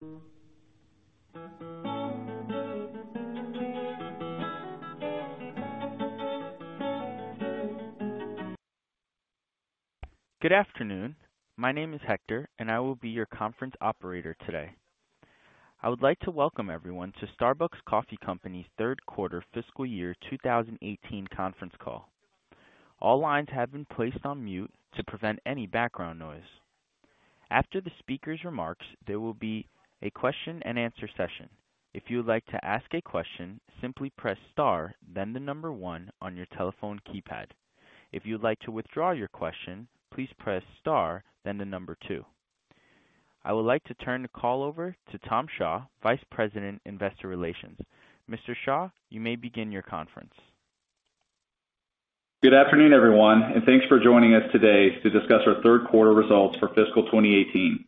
Good afternoon. My name is Hector, and I will be your conference operator today. I would like to welcome everyone to Starbucks Coffee Company's third quarter fiscal year 2018 conference call. All lines have been placed on mute to prevent any background noise. After the speaker's remarks, there will be a question and answer session. If you would like to ask a question, simply press star, then the number one on your telephone keypad. If you would like to withdraw your question, please press star, then the number two. I would like to turn the call over to Tom Shaw, Vice President, Investor Relations. Mr. Shaw, you may begin your conference. Good afternoon, everyone. Thanks for joining us today to discuss our third quarter results for fiscal 2018.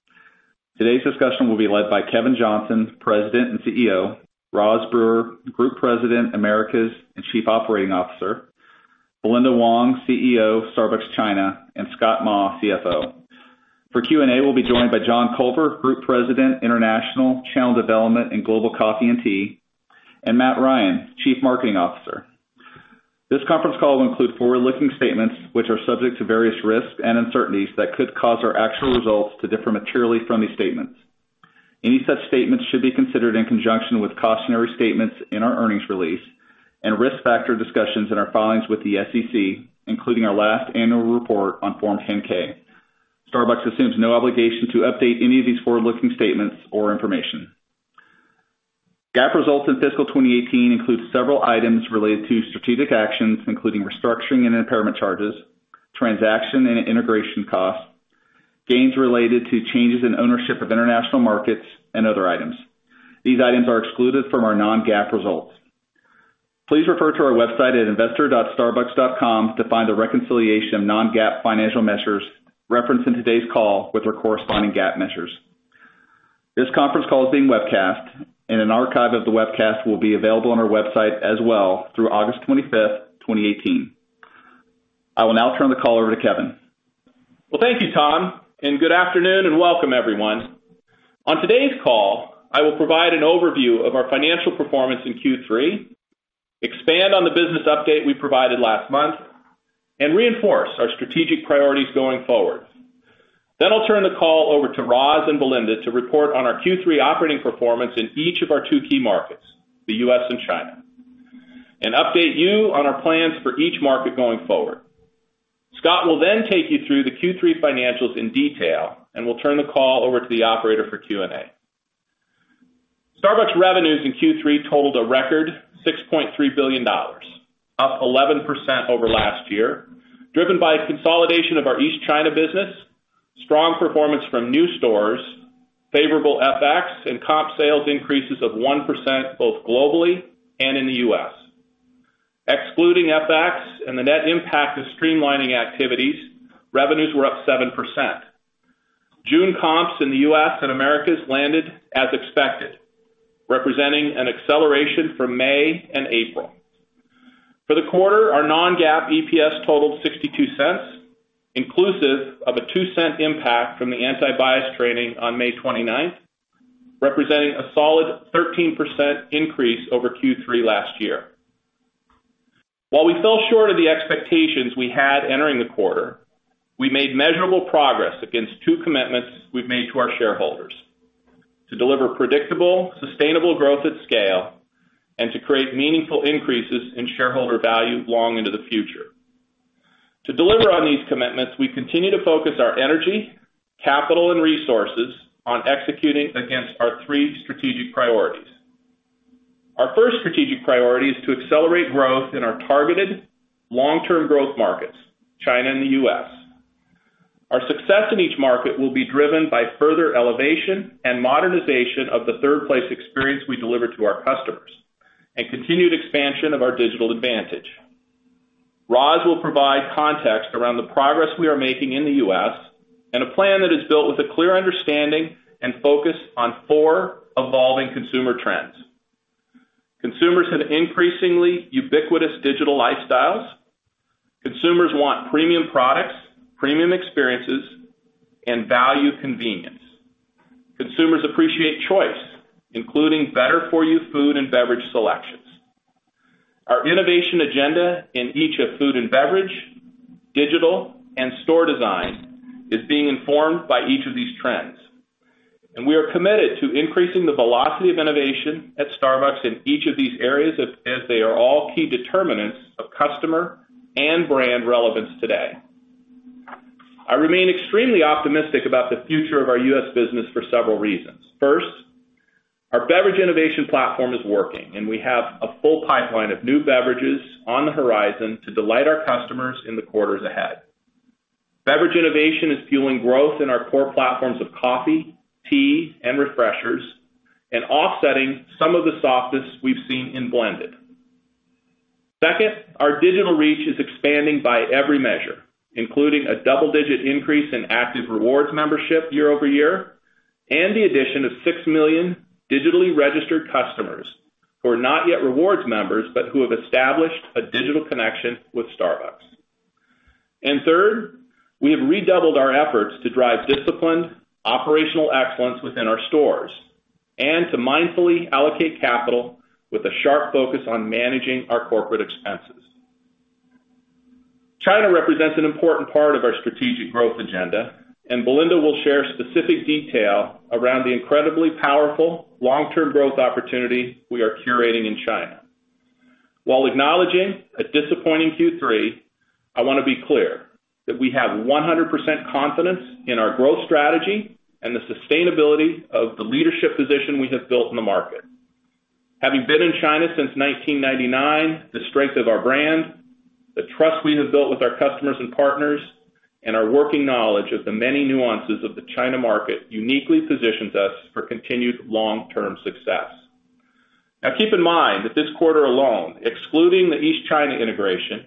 Today's discussion will be led by Kevin Johnson, President and CEO; Roz Brewer, Group President, Americas, and Chief Operating Officer; Belinda Wong, CEO of Starbucks China; and Scott Maw, CFO. For Q&A, we will be joined by John Culver, Group President, International Channel Development and Global Coffee & Tea; and Matt Ryan, Chief Marketing Officer. This conference call will include forward-looking statements, which are subject to various risks and uncertainties that could cause our actual results to differ materially from these statements. Any such statements should be considered in conjunction with cautionary statements in our earnings release and risk factor discussions in our filings with the SEC, including our last annual report on Form 10-K. Starbucks assumes no obligation to update any of these forward-looking statements or information. GAAP results in fiscal 2018 includes several items related to strategic actions, including restructuring and impairment charges, transaction and integration costs, gains related to changes in ownership of international markets, and other items. These items are excluded from our non-GAAP results. Please refer to our website at investor.starbucks.com to find a reconciliation of non-GAAP financial measures referenced in today's call with their corresponding GAAP measures. This conference call is being webcast, and an archive of the webcast will be available on our website as well through August 25th, 2018. I will now turn the call over to Kevin. Thank you, Tom. Good afternoon, and welcome everyone. On today's call, I will provide an overview of our financial performance in Q3, expand on the business update we provided last month, and reinforce our strategic priorities going forward. I will turn the call over to Roz and Belinda to report on our Q3 operating performance in each of our two key markets, the U.S. and China, and update you on our plans for each market going forward. Scott will take you through the Q3 financials in detail, and we will turn the call over to the operator for Q&A. Starbucks revenues in Q3 totaled a record $6.3 billion, up 11% over last year, driven by consolidation of our East China business, strong performance from new stores, favorable FX, and comp sales increases of 1% both globally and in the U.S. Excluding FX and the net impact of streamlining activities, revenues were up 7%. June comps in the U.S. and Americas landed as expected, representing an acceleration from May and April. For the quarter, our non-GAAP EPS totaled $0.62, inclusive of a $0.02 impact from the anti-bias training on May 29th, representing a solid 13% increase over Q3 last year. While we fell short of the expectations we had entering the quarter, we made measurable progress against two commitments we've made to our shareholders to deliver predictable, sustainable growth at scale and to create meaningful increases in shareholder value long into the future. To deliver on these commitments, we continue to focus our energy, capital, and resources on executing against our three strategic priorities. Our first strategic priority is to accelerate growth in our targeted long-term growth markets, China and the U.S. Our success in each market will be driven by further elevation and modernization of the Third Place experience we deliver to our customers and continued expansion of our digital advantage. Roz will provide context around the progress we are making in the U.S. and a plan that is built with a clear understanding and focus on four evolving consumer trends. Consumers have increasingly ubiquitous digital lifestyles. Consumers want premium products, premium experiences, and value convenience. Consumers appreciate choice, including better-for-you food and beverage selections. Our innovation agenda in each of food and beverage, digital, and store design is being informed by each of these trends. We are committed to increasing the velocity of innovation at Starbucks in each of these areas as they are all key determinants of customer and brand relevance today. I remain extremely optimistic about the future of our U.S. business for several reasons. First, our beverage innovation platform is working. We have a full pipeline of new beverages on the horizon to delight our customers in the quarters ahead. Beverage innovation is fueling growth in our core platforms of coffee, tea, and Refreshers and offsetting some of the softness we've seen in blended. Second, our digital reach is expanding by every measure, including a double-digit increase in active rewards membership year-over-year and the addition of 6 million digitally registered customers who are not yet rewards members but who have established a digital connection with Starbucks. Third, we have redoubled our efforts to drive disciplined operational excellence within our stores and to mindfully allocate capital with a sharp focus on managing our corporate expenses. China represents an important part of our strategic growth agenda. Belinda will share specific detail around the incredibly powerful long-term growth opportunity we are curating in China. While acknowledging a disappointing Q3, I want to be clear that we have 100% confidence in our growth strategy and the sustainability of the leadership position we have built in the market. Having been in China since 1999, the strength of our brand, the trust we have built with our customers and partners, and our working knowledge of the many nuances of the China market uniquely positions us for continued long-term success. Keep in mind that this quarter alone, excluding the East China integration,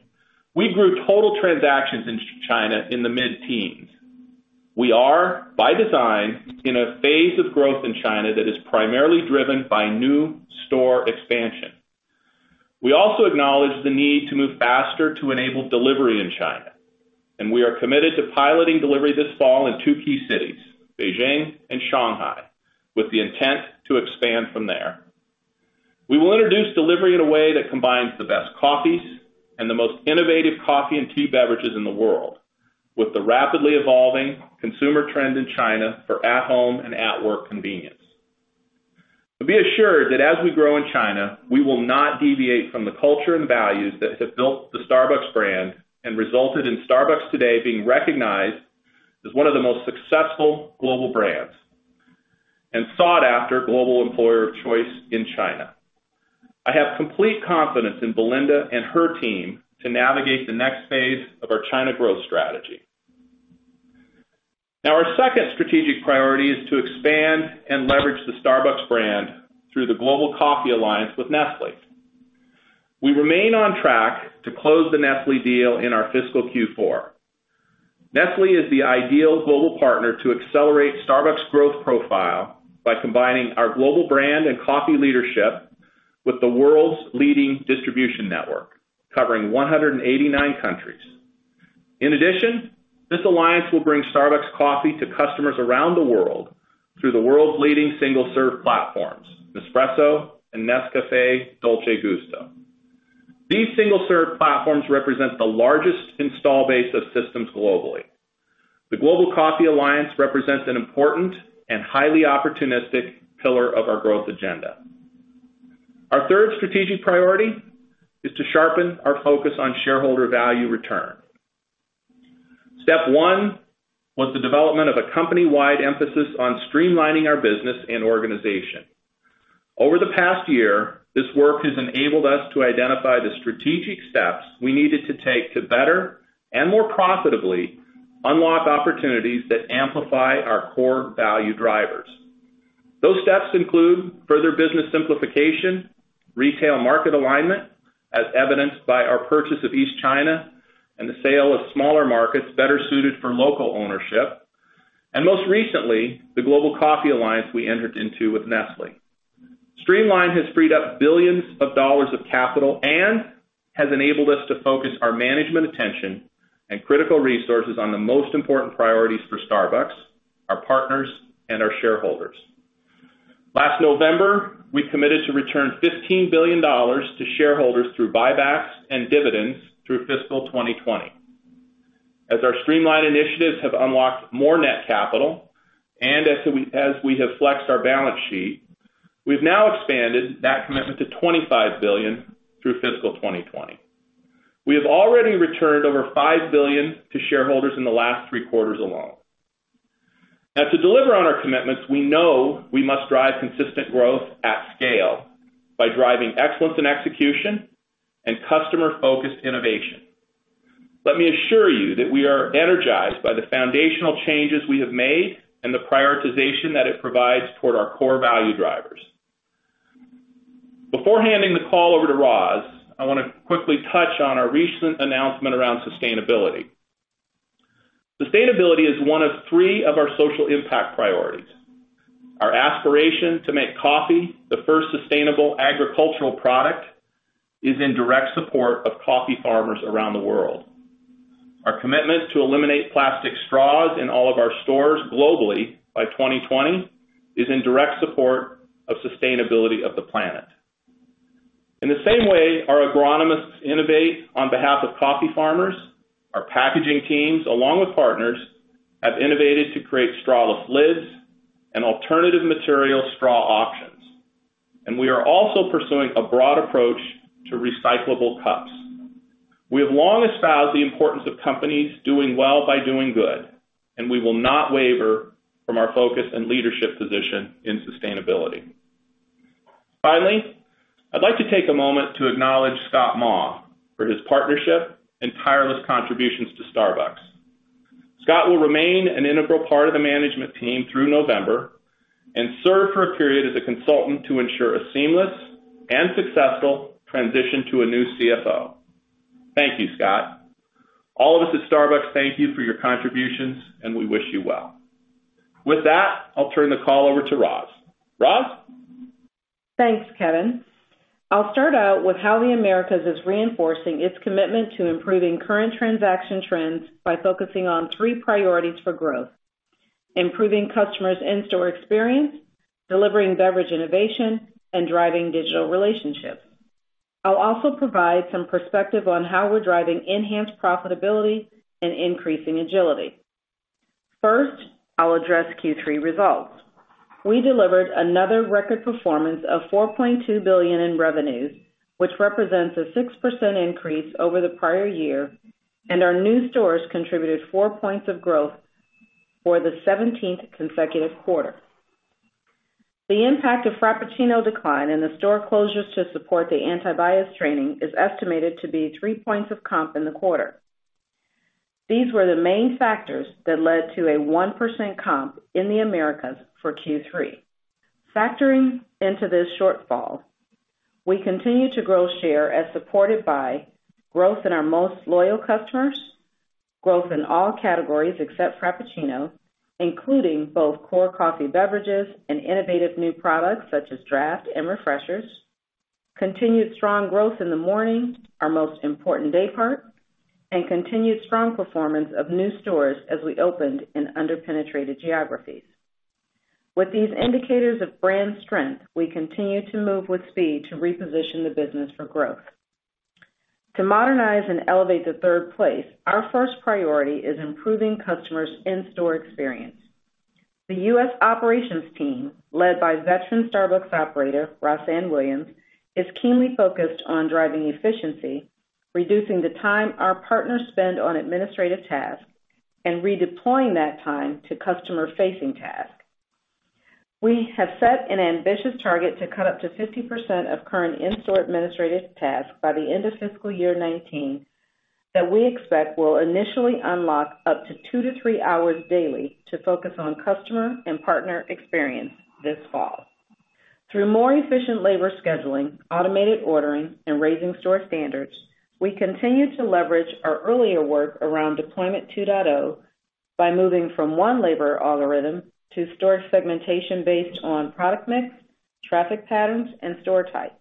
we grew total transactions in China in the mid-teens. We are, by design, in a phase of growth in China that is primarily driven by new store expansion. We also acknowledge the need to move faster to enable delivery in China, and we are committed to piloting delivery this fall in two key cities, Beijing and Shanghai, with the intent to expand from there. We will introduce delivery in a way that combines the best coffees and the most innovative coffee and tea beverages in the world with the rapidly evolving consumer trend in China for at-home and at-work convenience. Be assured that as we grow in China, we will not deviate from the culture and values that have built the Starbucks brand and resulted in Starbucks today being recognized as one of the most successful global brands and sought-after global employer of choice in China. I have complete confidence in Belinda and her team to navigate the next phase of our China growth strategy. Our second strategic priority is to expand and leverage the Starbucks brand through the Global Coffee Alliance with Nestlé. We remain on track to close the Nestlé deal in our fiscal Q4. Nestlé is the ideal global partner to accelerate Starbucks' growth profile by combining our global brand and coffee leadership with the world's leading distribution network, covering 189 countries. In addition, this alliance will bring Starbucks coffee to customers around the world through the world's leading single-serve platforms, Nespresso and Nescafé Dolce Gusto. These single-serve platforms represent the largest install base of systems globally. The Global Coffee Alliance represents an important and highly opportunistic pillar of our growth agenda. Our third strategic priority is to sharpen our focus on shareholder value return. Step one was the development of a company-wide emphasis on streamlining our business and organization. Over the past year, this work has enabled us to identify the strategic steps we needed to take to better and more profitably unlock opportunities that amplify our core value drivers. Those steps include further business simplification, retail market alignment, as evidenced by our purchase of East China and the sale of smaller markets better suited for local ownership, and most recently, the Global Coffee Alliance we entered into with Nestlé. Streamline has freed up billions of dollars of capital and has enabled us to focus our management attention and critical resources on the most important priorities for Starbucks, our partners, and our shareholders. Last November, we committed to return $15 billion to shareholders through buybacks and dividends through fiscal 2020. As our streamline initiatives have unlocked more net capital, and as we have flexed our balance sheet, we've now expanded that commitment to $25 billion through fiscal 2020. We have already returned over $5 billion to shareholders in the last three quarters alone. To deliver on our commitments, we know we must drive consistent growth at scale by driving excellence in execution and customer-focused innovation. Let me assure you that we are energized by the foundational changes we have made and the prioritization that it provides toward our core value drivers. Before handing the call over to Roz, I want to quickly touch on our recent announcement around sustainability. Sustainability is one of three of our social impact priorities. Our aspiration to make coffee the first sustainable agricultural product is in direct support of coffee farmers around the world. Our commitment to eliminate plastic straws in all of our stores globally by 2020 is in direct support of sustainability of the planet. In the same way our agronomists innovate on behalf of coffee farmers, our packaging teams, along with partners, have innovated to create strawless lids and alternative material straw options, we are also pursuing a broad approach to recyclable cups. We have long espoused the importance of companies doing well by doing good, we will not waver from our focus and leadership position in sustainability. Finally, I'd like to take a moment to acknowledge Scott Maw for his partnership and tireless contributions to Starbucks. Scott will remain an integral part of the management team through November and serve for a period as a consultant to ensure a seamless and successful transition to a new CFO. Thank you, Scott. All of us at Starbucks thank you for your contributions, and we wish you well. With that, I'll turn the call over to Roz. Roz? Thanks, Kevin. I'll start out with how the Americas is reinforcing its commitment to improving current transaction trends by focusing on three priorities for growth. Improving customers' in-store experience, delivering beverage innovation, and driving digital relationships. I'll also provide some perspective on how we're driving enhanced profitability and increasing agility. First, I'll address Q3 results. We delivered another record performance of $4.2 billion in revenues, which represents a 6% increase over the prior year. Our new stores contributed four points of growth for the 17th consecutive quarter. The impact of Frappuccino decline and the store closures to support the anti-bias training is estimated to be three points of comp in the quarter. These were the main factors that led to a 1% comp in the Americas for Q3. Factoring into this shortfall, we continue to grow share as supported by growth in our most loyal customers, growth in all categories except Frappuccino, including both core coffee beverages and innovative new products such as Starbucks Draft and Refreshers, continued strong growth in the morning, our most important day part, and continued strong performance of new stores as we opened in under-penetrated geographies. With these indicators of brand strength, we continue to move with speed to reposition the business for growth. To modernize and elevate the third place, our first priority is improving customers' in-store experience. The U.S. operations team, led by veteran Starbucks operator Rossann Williams, is keenly focused on driving efficiency, reducing the time our partners spend on administrative tasks, and redeploying that time to customer-facing tasks. We have set an ambitious target to cut up to 50% of current in-store administrative tasks by the end of fiscal year 2019 that we expect will initially unlock up to two to three hours daily to focus on customer and partner experience this fall. Through more efficient labor scheduling, automated ordering, and raising store standards, we continue to leverage our earlier work around Deployment 2.0 by moving from one labor algorithm to store segmentation based on product mix, traffic patterns, and store type.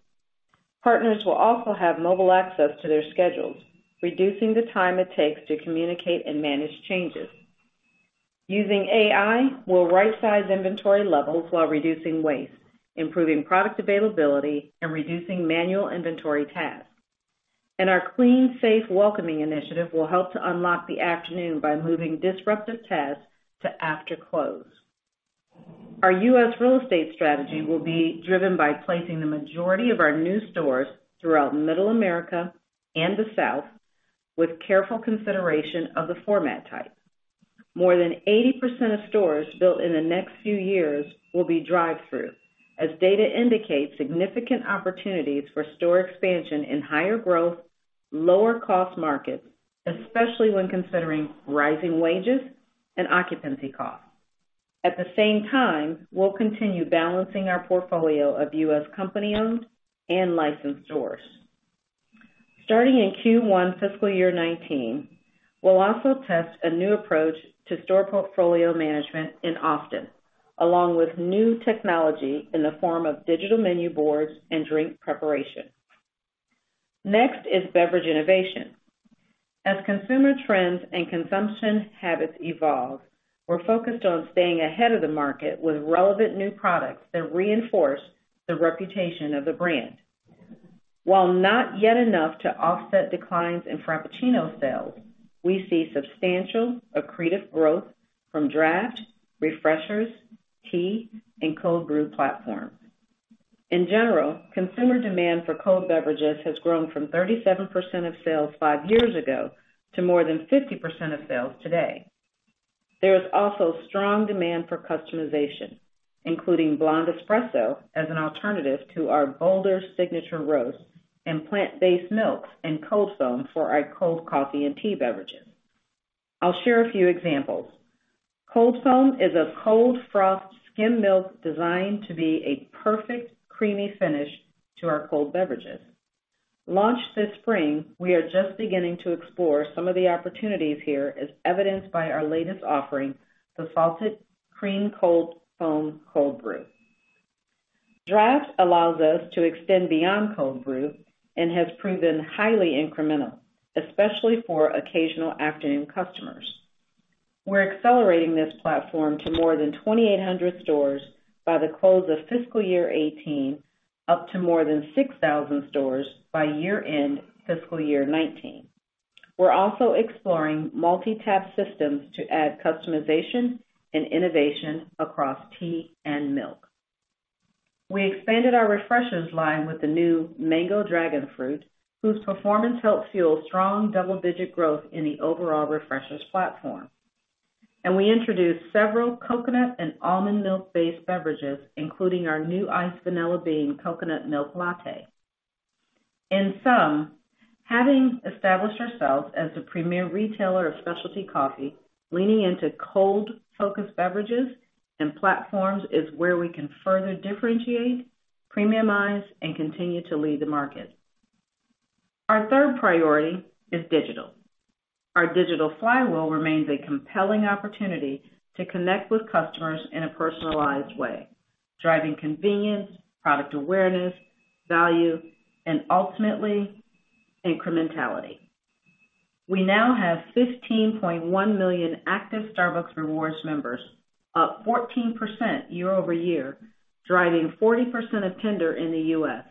Partners will also have mobile access to their schedules, reducing the time it takes to communicate and manage changes. Using AI, we'll right-size inventory levels while reducing waste, improving product availability, and reducing manual inventory tasks. Our clean, safe, welcoming initiative will help to unlock the afternoon by moving disruptive tasks to after close. Our U.S. real estate strategy will be driven by placing the majority of our new stores throughout Middle America and the South with careful consideration of the format type. More than 80% of stores built in the next few years will be drive-thru, as data indicates significant opportunities for store expansion in higher growth, lower-cost markets, especially when considering rising wages and occupancy costs. At the same time, we'll continue balancing our portfolio of U.S. company-owned and licensed stores. Starting in Q1 fiscal year 2019, we'll also test a new approach to store portfolio management in Austin, along with new technology in the form of digital menu boards and drink preparation. Beverage innovation. As consumer trends and consumption habits evolve, we're focused on staying ahead of the market with relevant new products that reinforce the reputation of the brand. While not yet enough to offset declines in Frappuccino sales, we see substantial accretive growth from Draft, Refreshers, Tea, and Cold Brew platforms. In general, consumer demand for cold beverages has grown from 37% of sales five years ago to more than 50% of sales today. There is also strong demand for customization, including Blonde Espresso as an alternative to our bolder signature roast, and plant-based milk and Cold Foam for our cold coffee and tea beverages. I'll share a few examples. Cold Foam is a cold froth skimmed milk designed to be a perfect creamy finish to our cold beverages. Launched this spring, we are just beginning to explore some of the opportunities here, as evidenced by our latest offering, the Salted Cream Cold Foam Cold Brew. Draft allows us to extend beyond Cold Brew and has proven highly incremental, especially for occasional afternoon customers. We're accelerating this platform to more than 2,800 stores by the close of fiscal year 2018, up to more than 6,000 stores by year-end fiscal year 2019. We're also exploring multi-tap systems to add customization and innovation across tea and milk. We expanded our Refreshers line with the new Mango Dragonfruit, whose performance helped fuel strong double-digit growth in the overall Refreshers platform. We introduced several coconut and almond milk-based beverages, including our new Iced Vanilla Bean Coconutmilk Latte. In sum, having established ourselves as a premier retailer of specialty coffee, leaning into cold-focused beverages and platforms is where we can further differentiate, premiumize, and continue to lead the market. Our third priority is digital. Our Digital Flywheel remains a compelling opportunity to connect with customers in a personalized way, driving convenience, product awareness, value, and ultimately, incrementality. We now have 15.1 million active Starbucks Rewards members, up 14% year-over-year, driving 40% of tender in the U.S.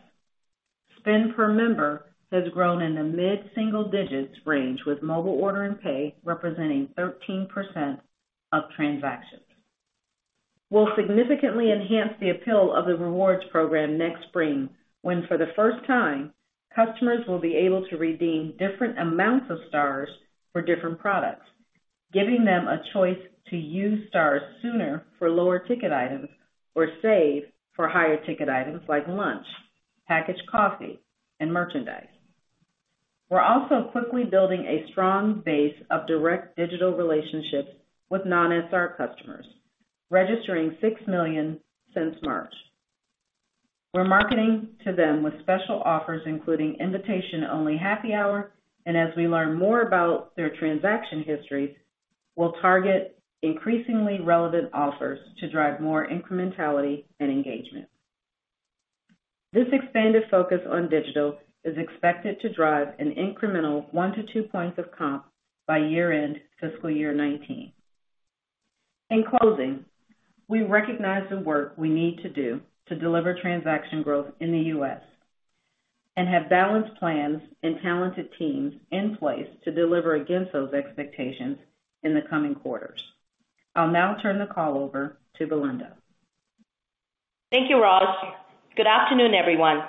Spend per member has grown in the mid-single digits range, with Mobile Order & Pay representing 13% of transactions. We'll significantly enhance the appeal of the rewards program next spring, when, for the first time, customers will be able to redeem different amounts of stars for different products, giving them a choice to use stars sooner for lower ticket items or save for higher ticket items like lunch, packaged coffee, and merchandise. We're also quickly building a strong base of direct digital relationships with non-SR customers, registering six million since March. We're marketing to them with special offers, including invitation-only happy hour. As we learn more about their transaction histories, we'll target increasingly relevant offers to drive more incrementality and engagement. This expanded focus on digital is expected to drive an incremental 1 to 2 points of comp by year-end fiscal year 2019. In closing, we recognize the work we need to do to deliver transaction growth in the U.S., and have balanced plans and talented teams in place to deliver against those expectations in the coming quarters. I'll now turn the call over to Belinda. Thank you, Roz. Good afternoon, everyone.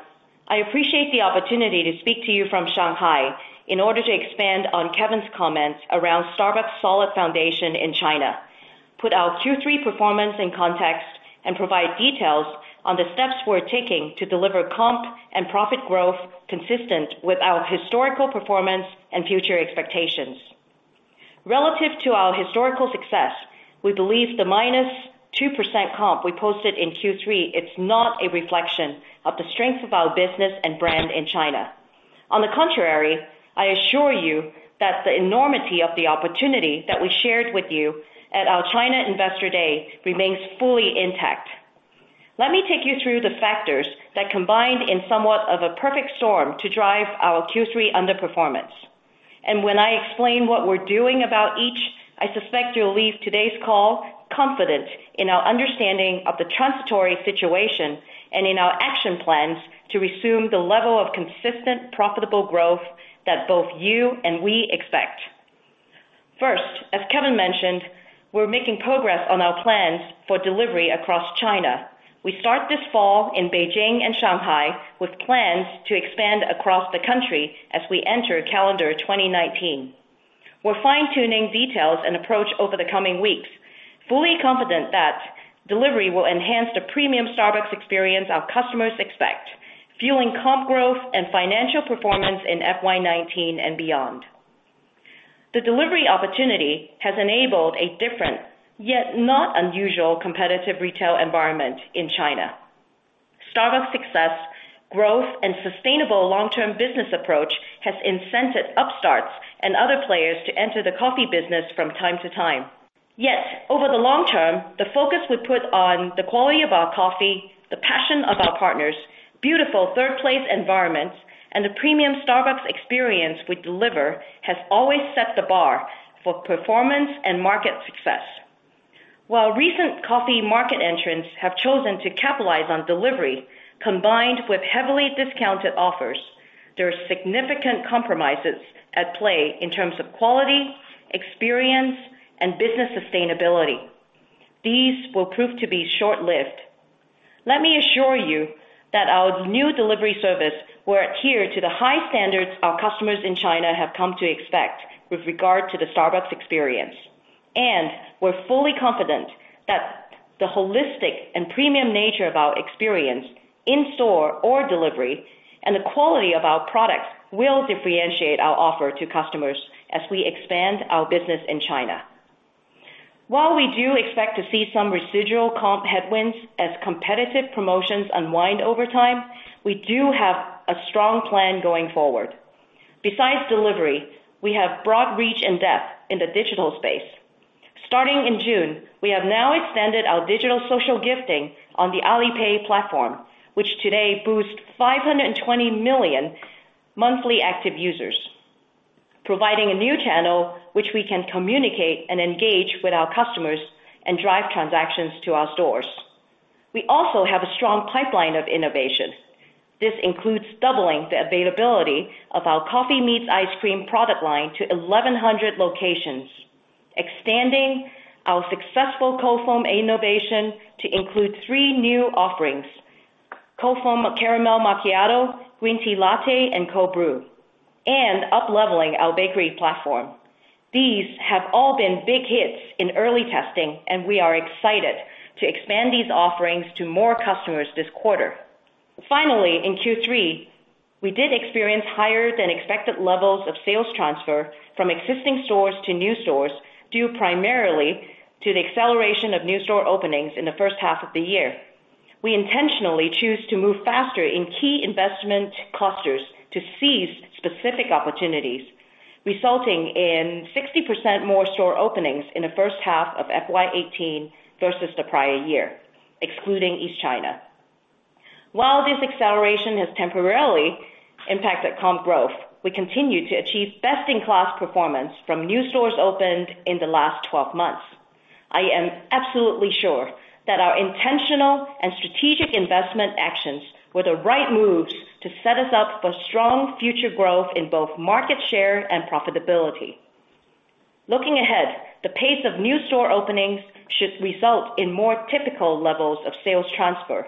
I appreciate the opportunity to speak to you from Shanghai in order to expand on Kevin's comments around Starbucks' solid foundation in China, put our Q3 performance in context, and provide details on the steps we're taking to deliver comp and profit growth consistent with our historical performance and future expectations. Relative to our historical success, we believe the -2% comp we posted in Q3 is not a reflection of the strength of our business and brand in China. On the contrary, I assure you that the enormity of the opportunity that we shared with you at our China Investor Day remains fully intact. Let me take you through the factors that combined in somewhat of a perfect storm to drive our Q3 underperformance. When I explain what we're doing about each, I suspect you'll leave today's call confident in our understanding of the transitory situation and in our action plans to resume the level of consistent, profitable growth that both you and we expect. First, as Kevin mentioned, we're making progress on our plans for delivery across China. We start this fall in Beijing and Shanghai with plans to expand across the country as we enter calendar 2019. We're fine-tuning details and approach over the coming weeks, fully confident that delivery will enhance the premium Starbucks experience our customers expect, fueling comp growth and financial performance in FY 2019 and beyond. The delivery opportunity has enabled a different, yet not unusual, competitive retail environment in China. Starbucks' success, growth, and sustainable long-term business approach has incented upstarts and other players to enter the coffee business from time to time. Over the long term, the focus we put on the quality of our coffee, the passion of our partners, beautiful third place environments, and the premium Starbucks experience we deliver has always set the bar for performance and market success. While recent coffee market entrants have chosen to capitalize on delivery combined with heavily discounted offers, there are significant compromises at play in terms of quality, experience, and business sustainability. These will prove to be short-lived. Let me assure you that our new delivery service will adhere to the high standards our customers in China have come to expect with regard to the Starbucks experience. We're fully confident that the holistic and premium nature of our experience in store or delivery, and the quality of our products will differentiate our offer to customers as we expand our business in China. While we do expect to see some residual comp headwinds as competitive promotions unwind over time, we do have a strong plan going forward. Besides delivery, we have broad reach and depth in the digital space. Starting in June, we have now extended our digital social gifting on the Alipay platform, which today boasts 520 million monthly active users, providing a new channel which we can communicate and engage with our customers and drive transactions to our stores. We also have a strong pipeline of innovation. This includes doubling the availability of our Coffee Meets Ice Cream product line to 1,100 locations, expanding our successful Cold Foam innovation to include three new offerings, Cold Foam Caramel Macchiato, green tea latte, and Cold Brew, and upleveling our bakery platform. These have all been big hits in early testing, and we are excited to expand these offerings to more customers this quarter. Finally, in Q3, we did experience higher than expected levels of sales transfer from existing stores to new stores, due primarily to the acceleration of new store openings in the first half of the year. We intentionally choose to move faster in key investment clusters to seize specific opportunities, resulting in 60% more store openings in the first half of FY 2018 versus the prior year, excluding East China. While this acceleration has temporarily impacted comp growth, we continue to achieve best-in-class performance from new stores opened in the last 12 months. I am absolutely sure that our intentional and strategic investment actions were the right moves to set us up for strong future growth in both market share and profitability. Looking ahead, the pace of new store openings should result in more typical levels of sales transfer.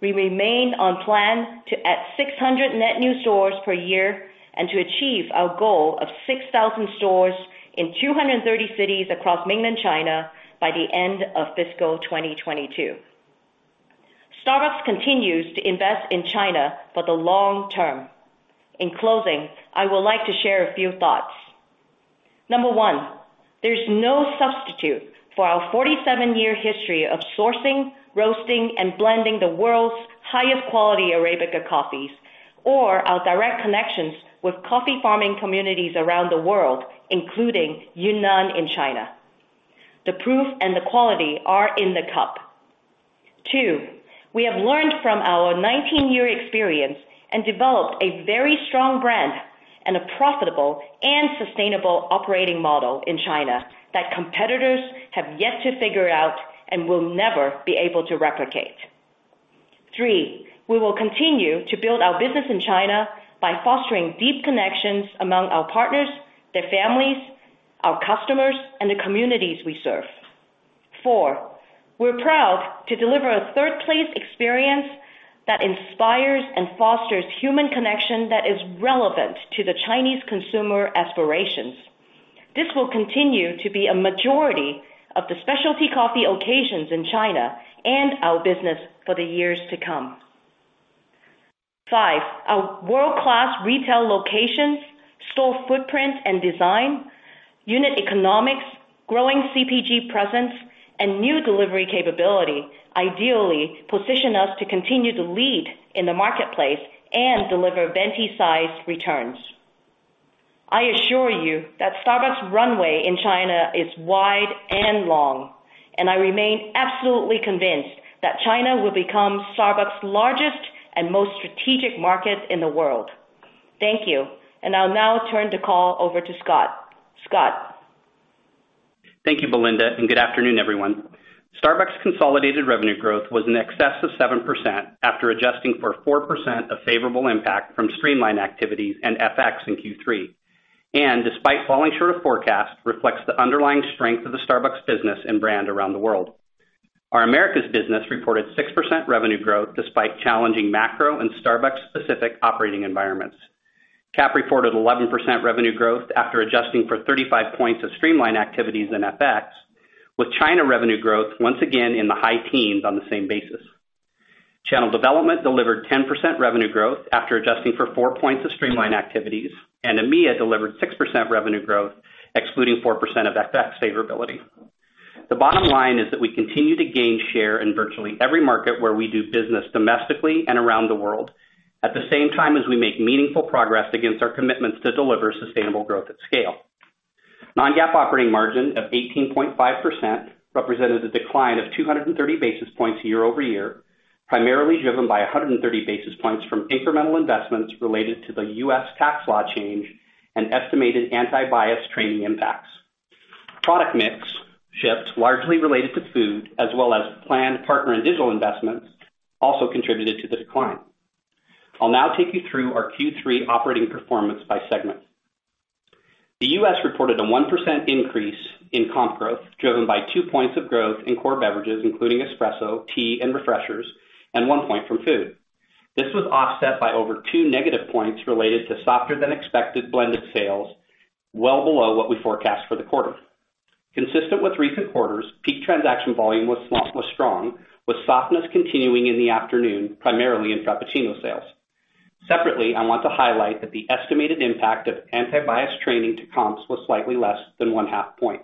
We remain on plan to add 600 net new stores per year, and to achieve our goal of 6,000 stores in 230 cities across mainland China by the end of fiscal 2022. Starbucks continues to invest in China for the long term. In closing, I will like to share a few thoughts. Number one, there is no substitute for our 47-year history of sourcing, roasting, and blending the world's highest quality Arabica coffees or our direct connections with coffee farming communities around the world, including Yunnan in China. The proof and the quality are in the cup. Two, we have learned from our 19-year experience and developed a very strong brand and a profitable and sustainable operating model in China that competitors have yet to figure out and will never be able to replicate. Three, we will continue to build our business in China by fostering deep connections among our partners, their families, our customers, and the communities we serve. Four, we are proud to deliver a third place experience that inspires and fosters human connection that is relevant to the Chinese consumer aspirations. This will continue to be a majority of the specialty coffee occasions in China and our business for the years to come. Five, our world-class retail locations, store footprint and design, unit economics, growing CPG presence, and new delivery capability ideally position us to continue to lead in the marketplace and deliver venti-sized returns. I assure you that Starbucks' runway in China is wide and long, and I remain absolutely convinced that China will become Starbucks' largest and most strategic market in the world. Thank you. I'll now turn the call over to Scott. Scott. Thank you, Belinda. Good afternoon, everyone. Starbucks' consolidated revenue growth was in excess of 7% after adjusting for 4% of favorable impact from streamline activities and FX in Q3. Despite falling short of forecast, it reflects the underlying strength of the Starbucks business and brand around the world. Our Americas business reported 6% revenue growth despite challenging macro and Starbucks specific operating environments. CAP reported 11% revenue growth after adjusting for 35 points of streamline activities in FX, with China revenue growth once again in the high teens on the same basis. Channel Development delivered 10% revenue growth after adjusting for four points of streamline activities, and EMEA delivered 6% revenue growth, excluding 4% of FX favorability. The bottom line is that we continue to gain share in virtually every market where we do business domestically and around the world, at the same time as we make meaningful progress against our commitments to deliver sustainable growth at scale. Non-GAAP operating margin of 18.5% represented a decline of 230 basis points year-over-year, primarily driven by 130 basis points from incremental investments related to the U.S. tax law change and estimated anti-bias training impacts. Product mix shifts largely related to food, as well as planned partner and digital investments also contributed to the decline. I'll now take you through our Q3 operating performance by segment. The U.S. reported a 1% increase in comp growth, driven by two points of growth in core beverages, including espresso, tea, and Refreshers, and one point from food. This was offset by over two negative points related to softer than expected blended sales, well below what we forecast for the quarter. Consistent with recent quarters, peak transaction volume was strong, with softness continuing in the afternoon, primarily in Frappuccino sales. Separately, I want to highlight that the estimated impact of anti-bias training to comps was slightly less than one-half point.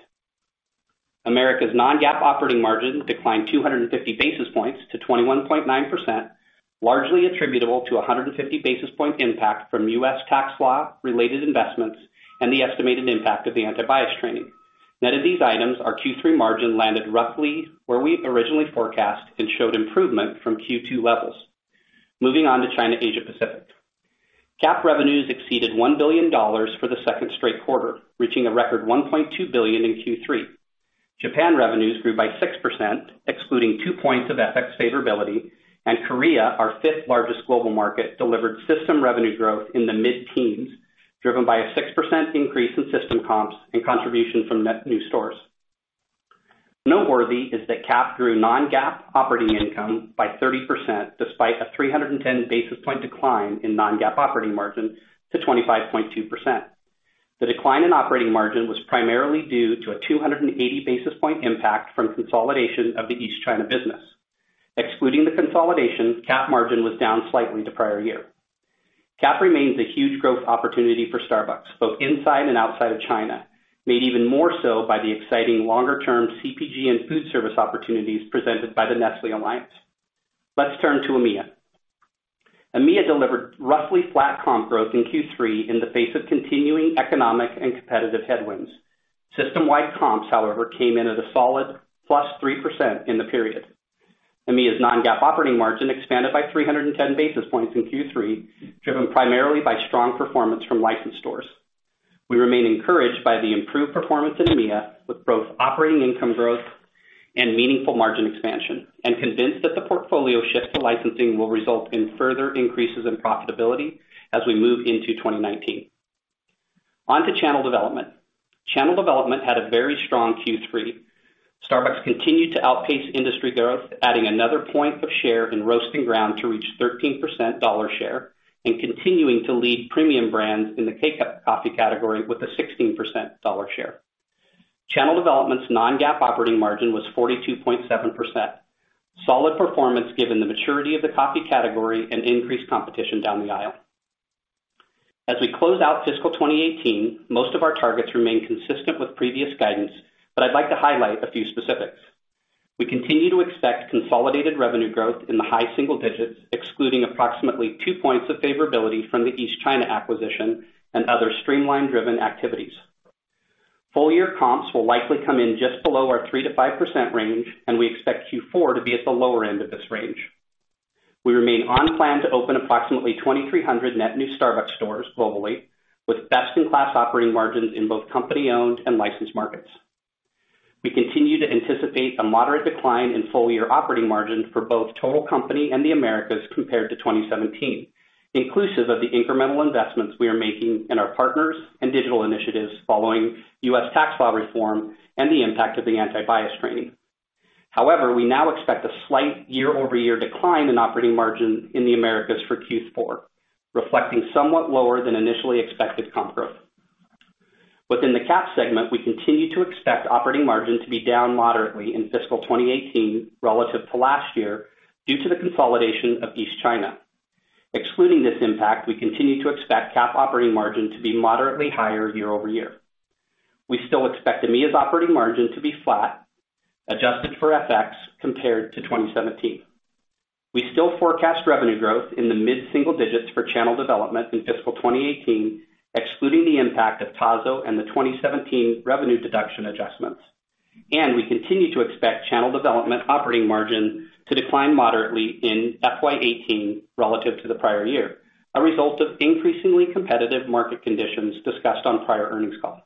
Americas' non-GAAP operating margin declined 250 basis points to 21.9%, largely attributable to 150 basis point impact from U.S. tax law-related investments and the estimated impact of the anti-bias training. Net of these items, our Q3 margin landed roughly where we originally forecast and showed improvement from Q2 levels. Moving on to CAP. CAP revenues exceeded $1 billion for the second straight quarter, reaching a record $1.2 billion in Q3. Japan revenues grew by 6%, excluding two points of FX favorability. Korea, our fifth largest global market, delivered system revenue growth in the mid-teens, driven by a 6% increase in system comps and contribution from net new stores. Noteworthy is that CAP grew non-GAAP operating income by 30%, despite a 310 basis point decline in non-GAAP operating margin to 25.2%. The decline in operating margin was primarily due to a 280 basis point impact from consolidation of the East China business. Excluding the consolidation, CAP margin was down slightly the prior year. CAP remains a huge growth opportunity for Starbucks, both inside and outside of China, made even more so by the exciting longer-term CPG and food service opportunities presented by the Nestlé alliance. Let's turn to EMEA. EMEA delivered roughly flat comp growth in Q3 in the face of continuing economic and competitive headwinds. System-wide comps, however, came in at a solid +3% in the period. EMEA's non-GAAP operating margin expanded by 310 basis points in Q3, driven primarily by strong performance from licensed stores. We remain encouraged by the improved performance in EMEA, with both operating income growth and meaningful margin expansion, and convinced that the portfolio shift to licensing will result in further increases in profitability as we move into 2019. On to Channel Development. Channel Development had a very strong Q3. Starbucks continued to outpace industry growth, adding another point of share in roast and ground to reach 13% dollar share, and continuing to lead premium brands in the K-Cup coffee category with a 16% dollar share. Channel Development's non-GAAP operating margin was 42.7%. Solid performance given the maturity of the coffee category and increased competition down the aisle. As we close out fiscal 2018, most of our targets remain consistent with previous guidance, but I'd like to highlight a few specifics. We continue to expect consolidated revenue growth in the high single digits, excluding approximately two points of favorability from the East China acquisition and other streamline-driven activities. Full-year comps will likely come in just below our 3%-5% range, and we expect Q4 to be at the lower end of this range. We remain on plan to open approximately 2,300 net new Starbucks stores globally, with best-in-class operating margins in both company-owned and licensed markets. We continue to anticipate a moderate decline in full-year operating margin for both total company and the Americas compared to 2017, inclusive of the incremental investments we are making in our partners and digital initiatives following U.S. tax law reform and the impact of the anti-bias training. We now expect a slight year-over-year decline in operating margin in the Americas for Q4, reflecting somewhat lower than initially expected comp growth. Within the CAP segment, we continue to expect operating margin to be down moderately in fiscal 2018 relative to last year due to the consolidation of East China. Excluding this impact, we continue to expect CAP operating margin to be moderately higher year-over-year. We still expect EMEA's operating margin to be flat, adjusted for FX, compared to 2017. We still forecast revenue growth in the mid-single digits for Channel Development in fiscal 2018, excluding the impact of Tazo and the 2017 revenue deduction adjustments. We continue to expect Channel Development operating margin to decline moderately in FY 2018 relative to the prior year, a result of increasingly competitive market conditions discussed on prior earnings calls.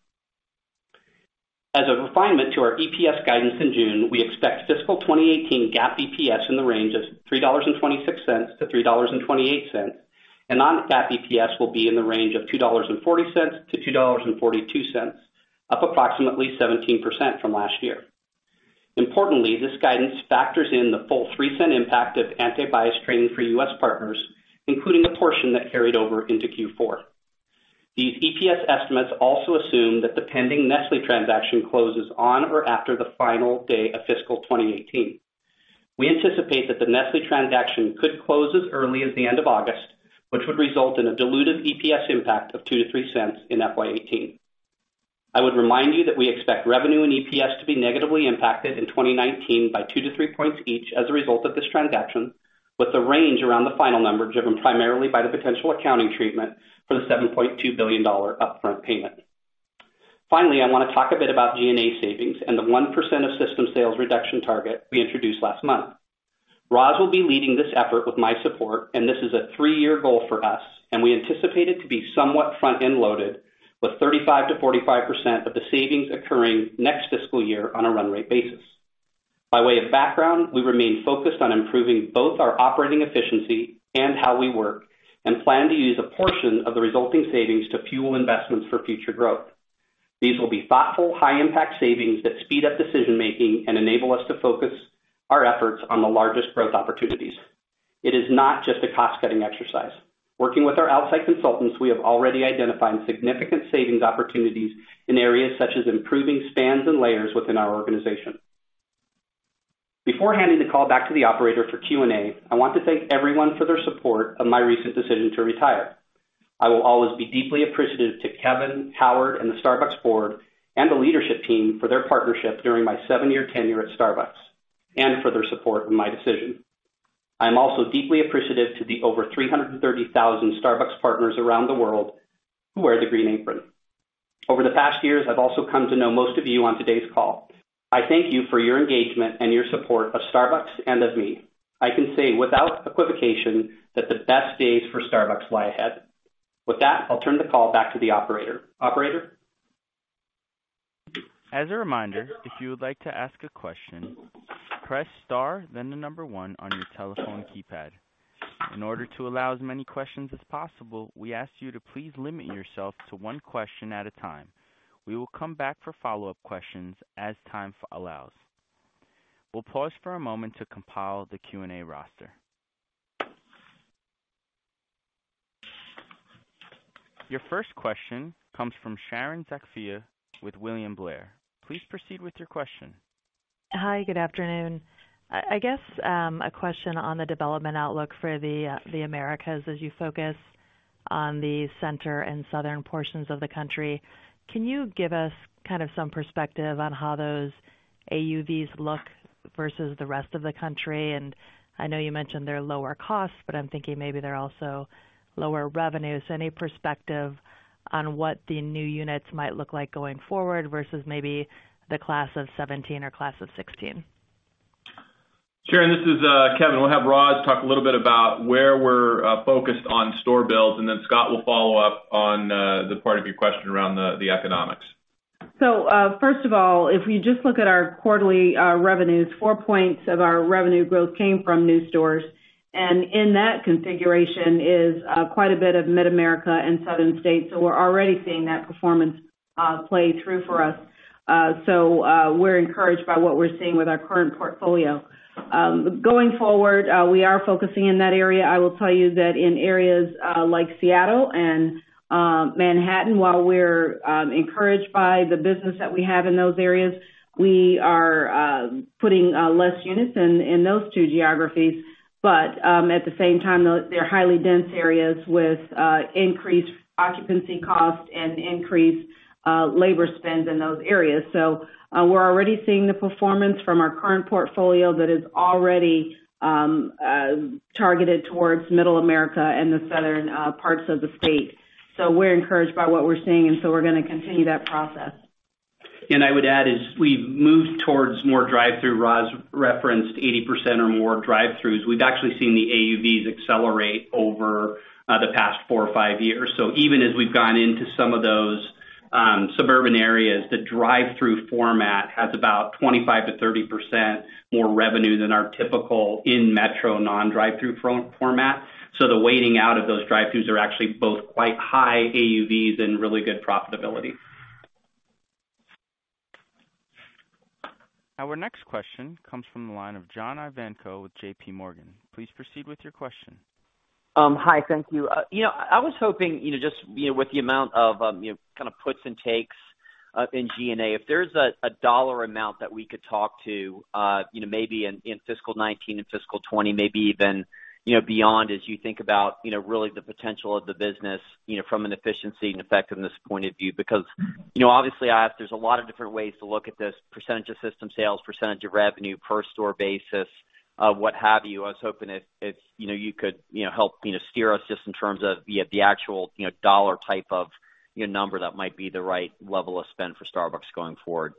As a refinement to our EPS guidance in June, we expect fiscal 2018 GAAP EPS in the range of $3.26-$3.28, and non-GAAP EPS will be in the range of $2.40-$2.42, up approximately 17% from last year. Importantly, this guidance factors in the full $0.03 impact of anti-bias training for U.S. partners, including the portion that carried over into Q4. These EPS estimates also assume that the pending Nestlé transaction closes on or after the final day of fiscal 2018. We anticipate that the Nestlé transaction could close as early as the end of August, which would result in a diluted EPS impact of $0.02-$0.03 in FY 2018. I would remind you that we expect revenue and EPS to be negatively impacted in 2019 by 2-3 points each as a result of this transaction, with the range around the final number driven primarily by the potential accounting treatment for the $7.2 billion upfront payment. Finally, I want to talk a bit about G&A savings and the 1% of system sales reduction target we introduced last month. Roz will be leading this effort with my support. This is a 3-year goal for us. We anticipate it to be somewhat front-end loaded, with 35%-45% of the savings occurring next fiscal year on a run rate basis. By way of background, we remain focused on improving both our operating efficiency and how we work. We plan to use a portion of the resulting savings to fuel investments for future growth. These will be thoughtful, high-impact savings that speed up decision-making and enable us to focus our efforts on the largest growth opportunities. It is not just a cost-cutting exercise. Working with our outside consultants, we have already identified significant savings opportunities in areas such as improving spans and layers within our organization. Before handing the call back to the operator for Q&A, I want to thank everyone for their support of my recent decision to retire. I will always be deeply appreciative to Kevin, Howard, and the Starbucks board, and the leadership team for their partnership during my 7-year tenure at Starbucks, and for their support in my decision. I am also deeply appreciative to the over 330,000 Starbucks partners around the world who wear the Green Apron. Over the past years, I've also come to know most of you on today's call. I thank you for your engagement and your support of Starbucks and of me. I can say without equivocation that the best days for Starbucks lie ahead. With that, I'll turn the call back to the operator. Operator? As a reminder, if you would like to ask a question, press star, then number 1 on your telephone keypad. In order to allow as many questions as possible, we ask you to please limit yourself to 1 question at a time. We will come back for follow-up questions as time allows. We'll pause for a moment to compile the Q&A roster. Your first question comes from Sharon Zackfia with William Blair. Please proceed with your question. Hi, good afternoon. I guess, a question on the development outlook for the Americas as you focus on the center and southern portions of the country. Can you give us some perspective on how those AUV look versus the rest of the country? I know you mentioned they're lower cost, but I'm thinking maybe they're also lower revenue. Any perspective on what the new units might look like going forward versus maybe the class of '17 or class of '16? Sharon, this is Kevin. We'll have Roz talk a little bit about where we're focused on store builds, and then Scott will follow up on the part of your question around the economics. First of all, if we just look at our quarterly revenues, four points of our revenue growth came from new stores, and in that configuration is quite a bit of Middle America and southern states. We're already seeing that performance play through for us. We're encouraged by what we're seeing with our current portfolio. Going forward, we are focusing in that area. I will tell you that in areas like Seattle and Manhattan, while we're encouraged by the business that we have in those areas, we are putting less units in those two geographies. At the same time, they're highly dense areas with increased occupancy costs and increased labor spends in those areas. We're already seeing the performance from our current portfolio that is already targeted towards Middle America and the southern parts of the state. We're encouraged by what we're seeing, and so we're going to continue that process. I would add, as we've moved towards more drive-thru, Roz referenced 80% or more drive-throughs. We've actually seen the AUV accelerate over the past four or five years. Even as we've gone into some of those suburban areas, the drive-thru format has about 25%-30% more revenue than our typical in-metro non-drive-thru format. The weighting out of those drive-throughs are actually both quite high AUV and really good profitability. Our next question comes from the line of John Ivankoe with J.P. Morgan. Please proceed with your question. Hi, thank you. I was hoping, just with the amount of puts and takes in G&A, if there's a dollar amount that we could talk to maybe in fiscal 2019 and fiscal 2020, maybe even beyond, as you think about really the potential of the business from an efficiency and effectiveness point of view. Obviously, there's a lot of different ways to look at this percentage of system sales, percentage of revenue per store basis, what have you. I was hoping if you could help steer us just in terms of the actual dollar type of number that might be the right level of spend for Starbucks going forward.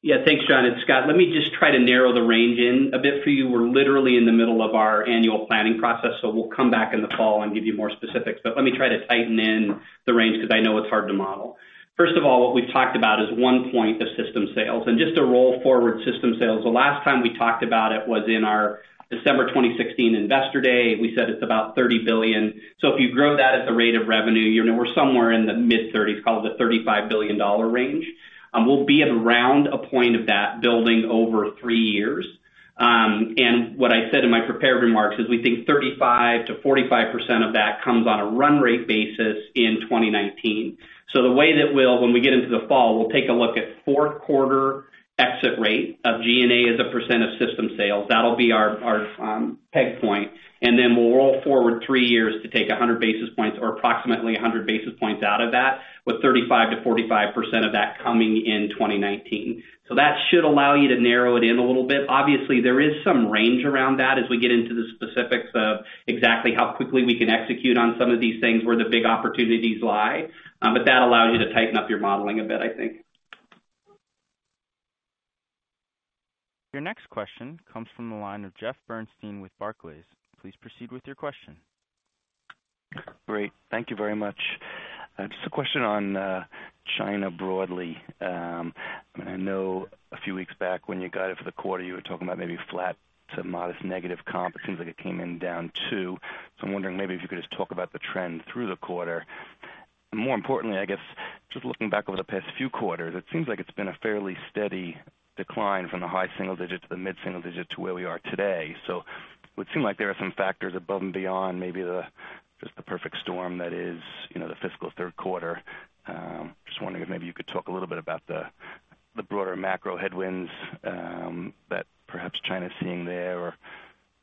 Yeah, thanks, John. It's Scott. Let me just try to narrow the range in a bit for you. We're literally in the middle of our annual planning process, we'll come back in the fall and give you more specifics, but let me try to tighten in the range because I know it's hard to model. First of all, what we've talked about is one point of system sales and just to roll forward system sales. The last time we talked about it was in our December 2016 Investor Day. We said it's about $30 billion. If you grow that at the rate of revenue, we're somewhere in the mid-30s, call it the $35 billion range. We'll be at around a point of that building over three years. What I said in my prepared remarks is we think 35% to 45% of that comes on a run rate basis in 2019. The way that when we get into the fall, we'll take a look at fourth quarter exit rate of G&A as a percent of system sales. That'll be our peg point. Then we'll roll forward three years to take 100 basis points or approximately 100 basis points out of that, with 35% to 45% of that coming in 2019. That should allow you to narrow it in a little bit. Obviously, there is some range around that as we get into the specifics of exactly how quickly we can execute on some of these things, where the big opportunities lie. That allows you to tighten up your modeling a bit, I think. Your next question comes from the line of Jeffrey Bernstein with Barclays. Please proceed with your question. Great. Thank you very much. Just a question on China broadly. I know a few weeks back when you got it for the quarter, you were talking about maybe flat to modest negative comp. It seems like it came in down two. I'm wondering maybe if you could just talk about the trend through the quarter. More importantly, I guess, just looking back over the past few quarters, it seems like it's been a fairly steady decline from the high single digits to the mid-single digits to where we are today. It would seem like there are some factors above and beyond maybe just the perfect storm that is the fiscal third quarter. Just wondering if maybe you could talk a little bit about the broader macro headwinds that perhaps China is seeing there, or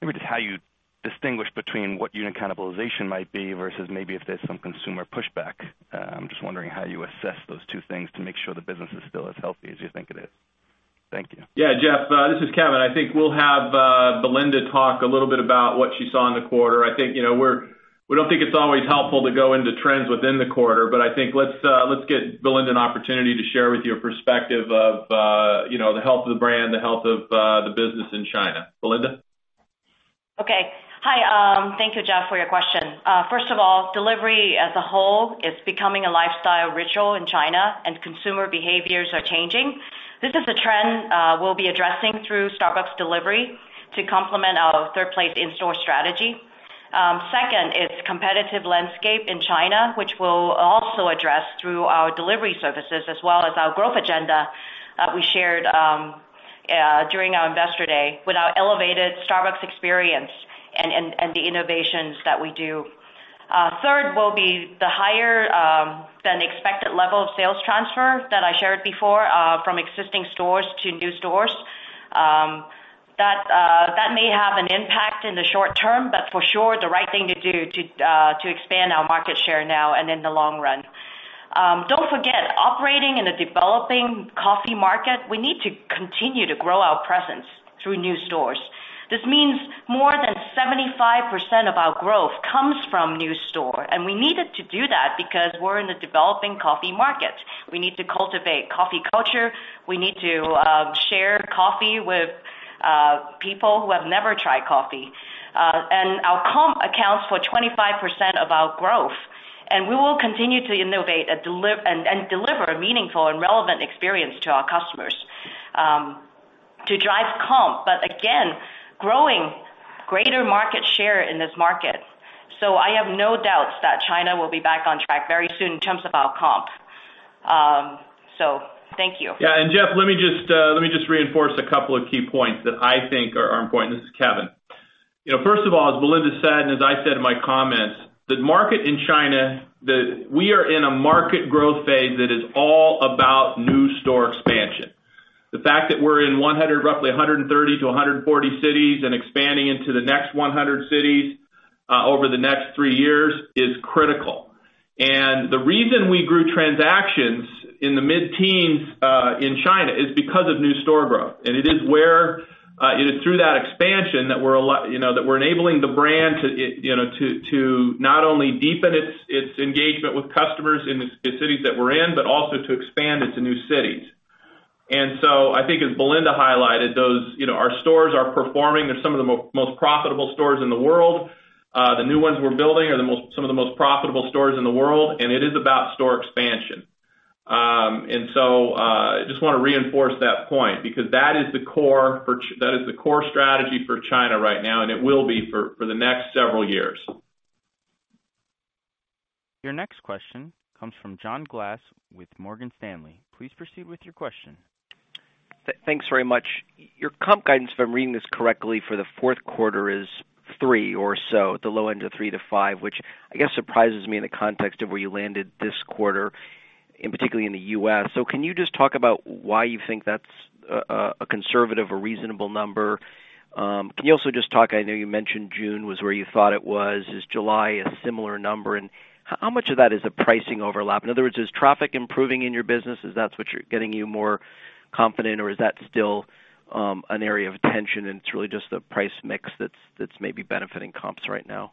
maybe just how you distinguish between what unit cannibalization might be versus maybe if there's some consumer pushback. I'm just wondering how you assess those two things to make sure the business is still as healthy as you think it is. Thank you. Jeff, this is Kevin. I think we'll have Belinda talk a little bit about what she saw in the quarter. We don't think it's always helpful to go into trends within the quarter, but I think let's get Belinda an opportunity to share with you her perspective of the health of the brand, the health of the business in China. Belinda? Thank you, Jeff, for your question. First of all, delivery as a whole is becoming a lifestyle ritual in China, and consumer behaviors are changing. This is a trend we'll be addressing through Starbucks delivery to complement our third place in-store strategy. Second, it's competitive landscape in China, which we'll also address through our delivery services as well as our growth agenda we shared during our China Investor Day with our elevated Starbucks experience and the innovations that we do. Third will be the higher than expected level of sales transfer that I shared before from existing stores to new stores. That may have an impact in the short term, but for sure, the right thing to do to expand our market share now and in the long run. Don't forget, operating in a developing coffee market, we need to continue to grow our presence through new stores. This means more than 75% of our growth comes from new store. We needed to do that because we're in a developing coffee market. We need to cultivate coffee culture. We need to share coffee with people who have never tried coffee. Our comp accounts for 25% of our growth, and we will continue to innovate and deliver a meaningful and relevant experience to our customers to drive comp, but again, growing greater market share in this market. I have no doubts that China will be back on track very soon in terms of our comp. Thank you. Jeff, let me just reinforce a couple of key points that I think are important. This is Kevin. First of all, as Belinda said, and as I said in my comments, the market in China, we are in a market growth phase that is all about new store expansion. The fact that we're in roughly 130-140 cities and expanding into the next 100 cities over the next three years is critical. The reason we grew transactions in the mid-teens in China is because of new store growth. It is through that expansion that we're enabling the brand to not only deepen its engagement with customers in the cities that we're in, but also to expand into new cities. I think as Belinda highlighted, our stores are performing. They're some of the most profitable stores in the world. The new ones we're building are some of the most profitable stores in the world, and it is about store expansion. I just want to reinforce that point because that is the core strategy for China right now, and it will be for the next several years. Your next question comes from John Glass with Morgan Stanley. Please proceed with your question. Thanks very much. Your comp guidance, if I'm reading this correctly, for the fourth quarter is three or so at the low end of three to five, which I guess surprises me in the context of where you landed this quarter, and particularly in the U.S. Can you just talk about why you think that's a conservative or reasonable number? Can you also just talk, I know you mentioned June was where you thought it was, is July a similar number? How much of that is a pricing overlap? In other words, is traffic improving in your business? Is that what's getting you more confident, or is that still an area of tension, and it's really just the price mix that's maybe benefiting comps right now?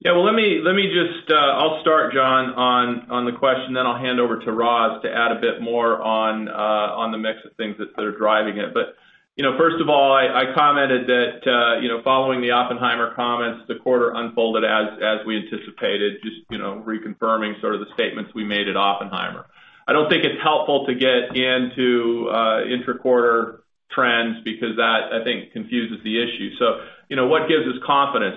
Yeah. I'll start, John, on the question, then I'll hand over to Roz to add a bit more on the mix of things that are driving it. First of all, I commented that following the Oppenheimer comments, the quarter unfolded as we anticipated, just reconfirming the statements we made at Oppenheimer. I don't think it's helpful to get into intra-quarter trends because that, I think, confuses the issue. What gives us confidence?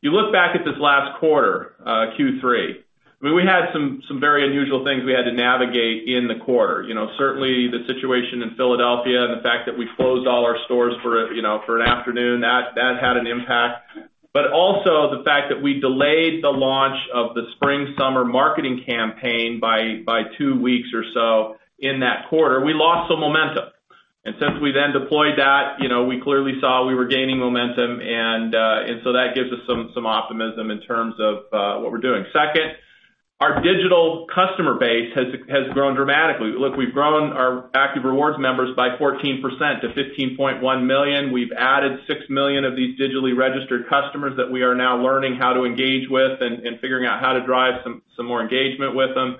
You look back at this last quarter, Q3. We had some very unusual things we had to navigate in the quarter. Certainly, the situation in Philadelphia and the fact that we closed all our stores for an afternoon, that had an impact. Also the fact that we delayed the launch of the spring-summer marketing campaign by two weeks or so in that quarter. We lost some momentum. Since we then deployed that, we clearly saw we were gaining momentum. That gives us some optimism in terms of what we're doing. Second, our digital customer base has grown dramatically. Look, we've grown our active Starbucks Rewards members by 14% to 15.1 million. We've added 6 million of these digitally registered customers that we are now learning how to engage with and figuring out how to drive some more engagement with them.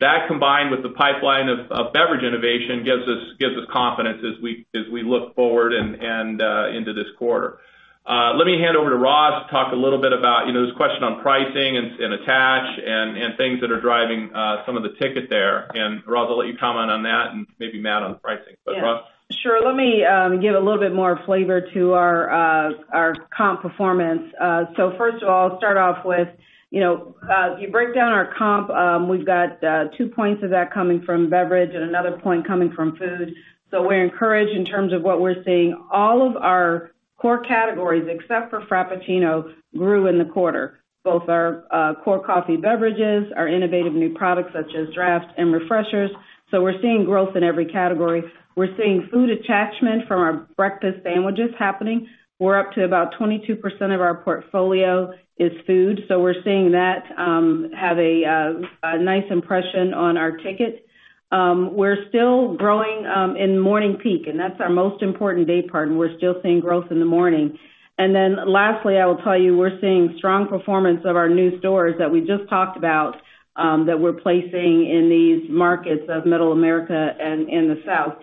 That combined with the pipeline of beverage innovation gives us confidence as we look forward and into this quarter. Let me hand over to Roz to talk a little bit about this question on pricing and attach and things that are driving some of the ticket there. Roz, I'll let you comment on that and maybe Matt on pricing. Roz? Sure. Let me give a little bit more flavor to our comp performance. First of all, I'll start off with, if you break down our comp, we've got two points of that coming from beverage and another point coming from food. We're encouraged in terms of what we're seeing. All of our core categories, except for Frappuccino, grew in the quarter. Both our core coffee beverages, our innovative new products such as Starbucks Draft and Refreshers. We're seeing growth in every category. We're seeing food attachment from our breakfast sandwiches happening. We're up to about 22% of our portfolio is food. We're seeing that have a nice impression on our ticket. We're still growing in morning peak, and that's our most important day part, and we're still seeing growth in the morning. Lastly, I will tell you, we're seeing strong performance of our new stores that we just talked about, that we're placing in these markets of Middle America and the South.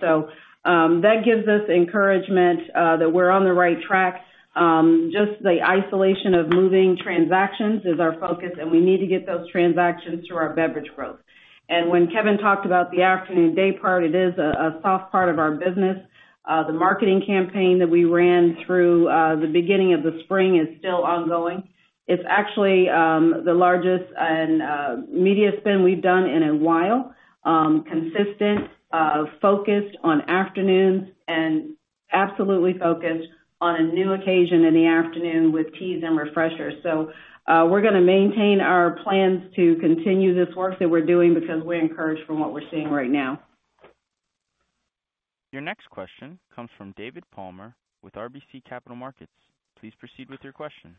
That gives us encouragement that we're on the right track. Just the isolation of moving transactions is our focus, and we need to get those transactions through our beverage growth. When Kevin talked about the afternoon day part, it is a soft part of our business. The marketing campaign that we ran through the beginning of the spring is still ongoing. It's actually the largest media spend we've done in a while. Consistent, focused on afternoons and Absolutely focused on a new occasion in the afternoon with teas and Refreshers. We're going to maintain our plans to continue this work that we're doing because we're encouraged from what we're seeing right now. Your next question comes from David Palmer with RBC Capital Markets. Please proceed with your question.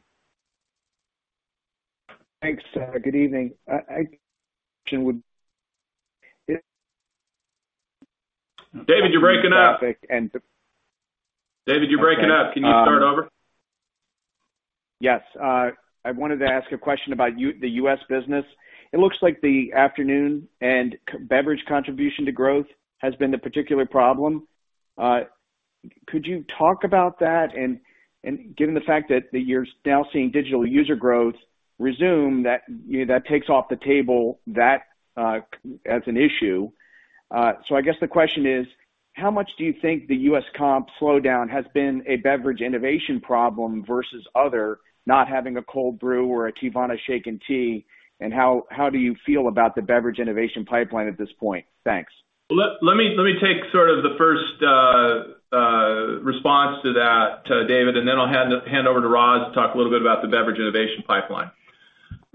Thanks. Good evening. David, you're breaking up. David, you're breaking up. Can you start over? Yes. I wanted to ask a question about the U.S. business. It looks like the afternoon and beverage contribution to growth has been the particular problem. Could you talk about that? Given the fact that you're now seeing digital user growth resume, that takes off the table that as an issue. I guess the question is, how much do you think the U.S. comp slowdown has been a beverage innovation problem versus other not having a Cold Brew or a Teavana Shaken Iced Tea? How do you feel about the beverage innovation pipeline at this point? Thanks. Let me take the first response to that, David, and then I'll hand over to Roz to talk a little bit about the beverage innovation pipeline.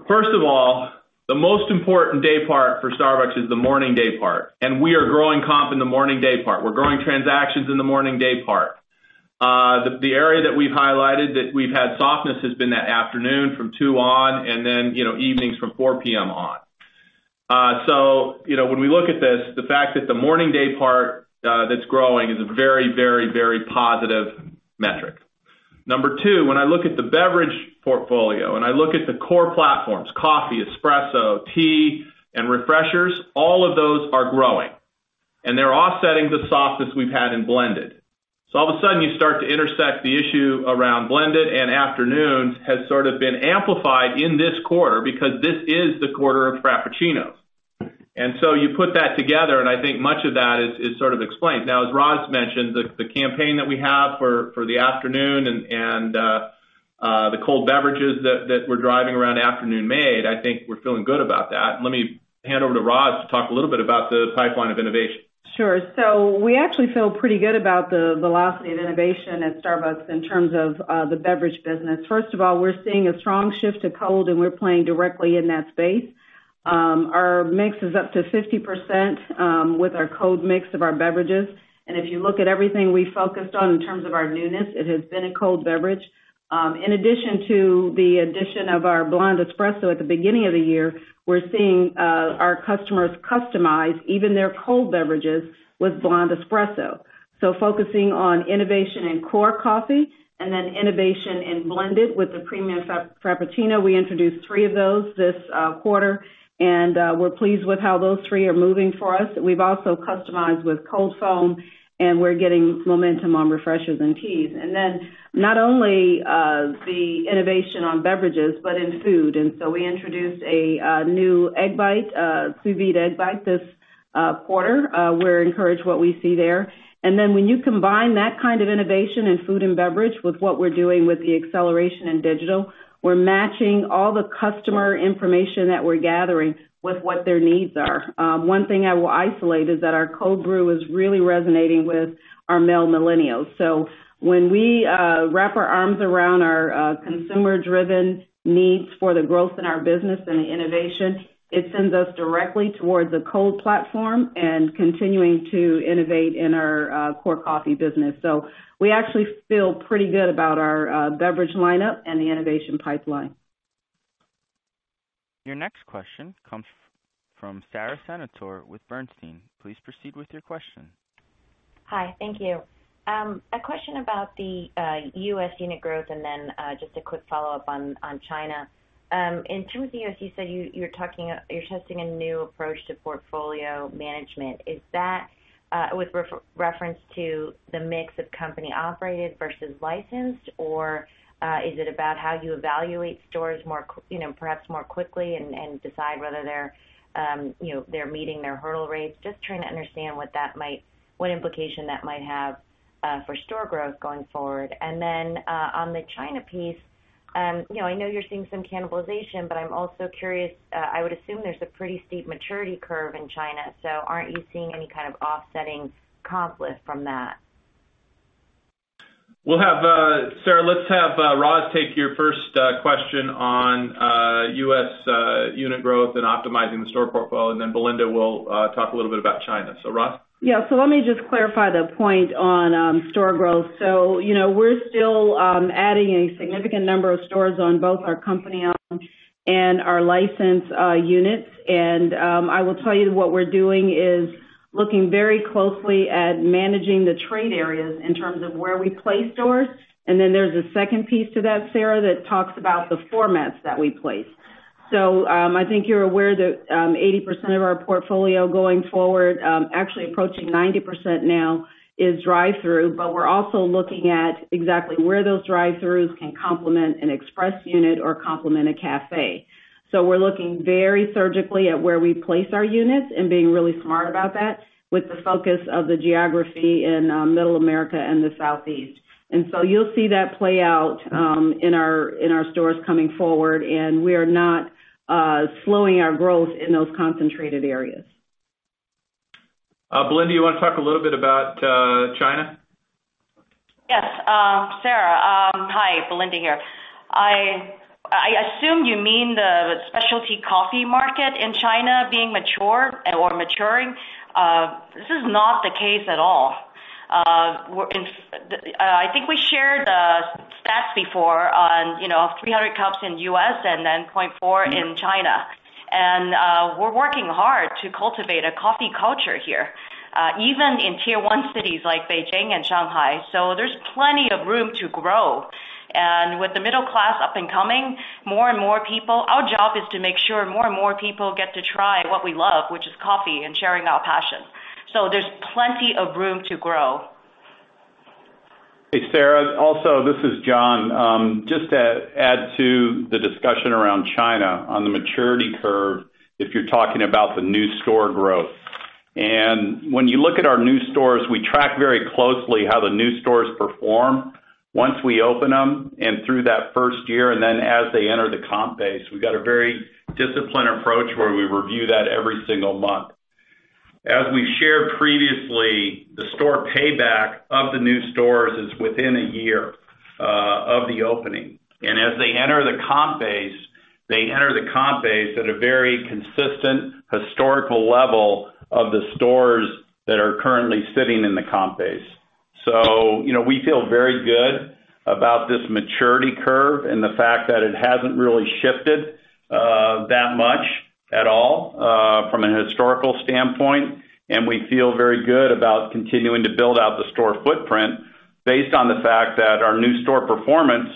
First of all, the most important day part for Starbucks is the morning day part, and we are growing comp in the morning day part. We're growing transactions in the morning day part. The area that we've highlighted that we've had softness has been that afternoon from 2:00 on, and then evenings from 4:00 P.M. on. When we look at this, the fact that the morning day part that's growing is a very positive metric. Number 2, when I look at the beverage portfolio, and I look at the core platforms, coffee, espresso, tea, and Refreshers, all of those are growing, and they're offsetting the softness we've had in blended. All of a sudden you start to intersect the issue around blended and afternoons has sort of been amplified in this quarter because this is the quarter of Frappuccinos. You put that together, and I think much of that is sort of explained. As Roz mentioned, the campaign that we have for the afternoon and the cold beverages that we're driving around afternoon made, I think we're feeling good about that. Let me hand over to Roz to talk a little bit about the pipeline of innovation. Sure. We actually feel pretty good about the velocity of innovation at Starbucks in terms of the beverage business. First of all, we're seeing a strong shift to cold, and we're playing directly in that space. Our mix is up to 50% with our cold mix of our beverages. If you look at everything we focused on in terms of our newness, it has been a cold beverage. In addition to the addition of our Blonde Espresso at the beginning of the year, we're seeing our customers customize even their cold beverages with Blonde Espresso. Focusing on innovation in core coffee and then innovation in blended with the premium Frappuccino. We introduced three of those this quarter, and we're pleased with how those three are moving for us. We've also customized with Cold Foam, and we're getting momentum on Refreshers and teas. Not only the innovation on beverages, but in food. We introduced a new egg bite, a Sous Vide Egg Bites this quarter. We're encouraged what we see there. When you combine that kind of innovation in food and beverage with what we're doing with the acceleration in digital, we're matching all the customer information that we're gathering with what their needs are. One thing I will isolate is that our Cold Brew is really resonating with our male millennials. When we wrap our arms around our consumer-driven needs for the growth in our business and the innovation, it sends us directly towards a cold platform and continuing to innovate in our core coffee business. We actually feel pretty good about our beverage lineup and the innovation pipeline. Your next question comes from Sara Senatore with Bernstein. Please proceed with your question. Hi. Thank you. A question about the U.S. unit growth, just a quick follow-up on China. In terms of you said you're testing a new approach to portfolio management. Is that with reference to the mix of company operated versus licensed, or is it about how you evaluate stores perhaps more quickly and decide whether they're meeting their hurdle rates? Just trying to understand what implication that might have for store growth going forward. On the China piece, I know you're seeing some cannibalization, but I'm also curious, I would assume there's a pretty steep maturity curve in China. Aren't you seeing any kind of offsetting conflict from that? Sara, let's have Roz take your first question on U.S. unit growth and optimizing the store portfolio, Belinda will talk a little bit about China. Roz? Yeah. Let me just clarify the point on store growth. We're still adding a significant number of stores on both our company-owned and our licensed units. I will tell you what we're doing is looking very closely at managing the trade areas in terms of where we place stores. There's a second piece to that, Sara, that talks about the formats that we place. I think you're aware that 80% of our portfolio going forward, actually approaching 90% now, is drive-thru, but we're also looking at exactly where those drive-thrus can complement an express unit or complement a café. We're looking very surgically at where we place our units and being really smart about that with the focus of the geography in Middle America and the Southeast. You'll see that play out in our stores coming forward. We are not slowing our growth in those concentrated areas. Belinda, you want to talk a little bit about China? Yes. Sara, hi. Belinda here. I assume you mean the specialty coffee market in China being mature or maturing. This is not the case at all. I think we shared stats before on 300 cups in the U.S. and then 0.4 in China. We're working hard to cultivate a coffee culture here, even in tier 1 cities like Beijing and Shanghai. There's plenty of room to grow. With the middle class up and coming, our job is to make sure more and more people get to try what we love, which is coffee and sharing our passion. There's plenty of room to grow. Hey, Sara, also, this is John. Just to add to the discussion around China on the maturity curve, if you're talking about the new store growth. When you look at our new stores, we track very closely how the new stores perform once we open them and through that first year, then as they enter the comp base. We've got a very disciplined approach where we review that every single month. As we've shared previously, the store payback of the new stores is within a year of the opening. As they enter the comp base, they enter the comp base at a very consistent historical level of the stores that are currently sitting in the comp base. We feel very good about this maturity curve and the fact that it hasn't really shifted that much at all from a historical standpoint, and we feel very good about continuing to build out the store footprint based on the fact that our new store performance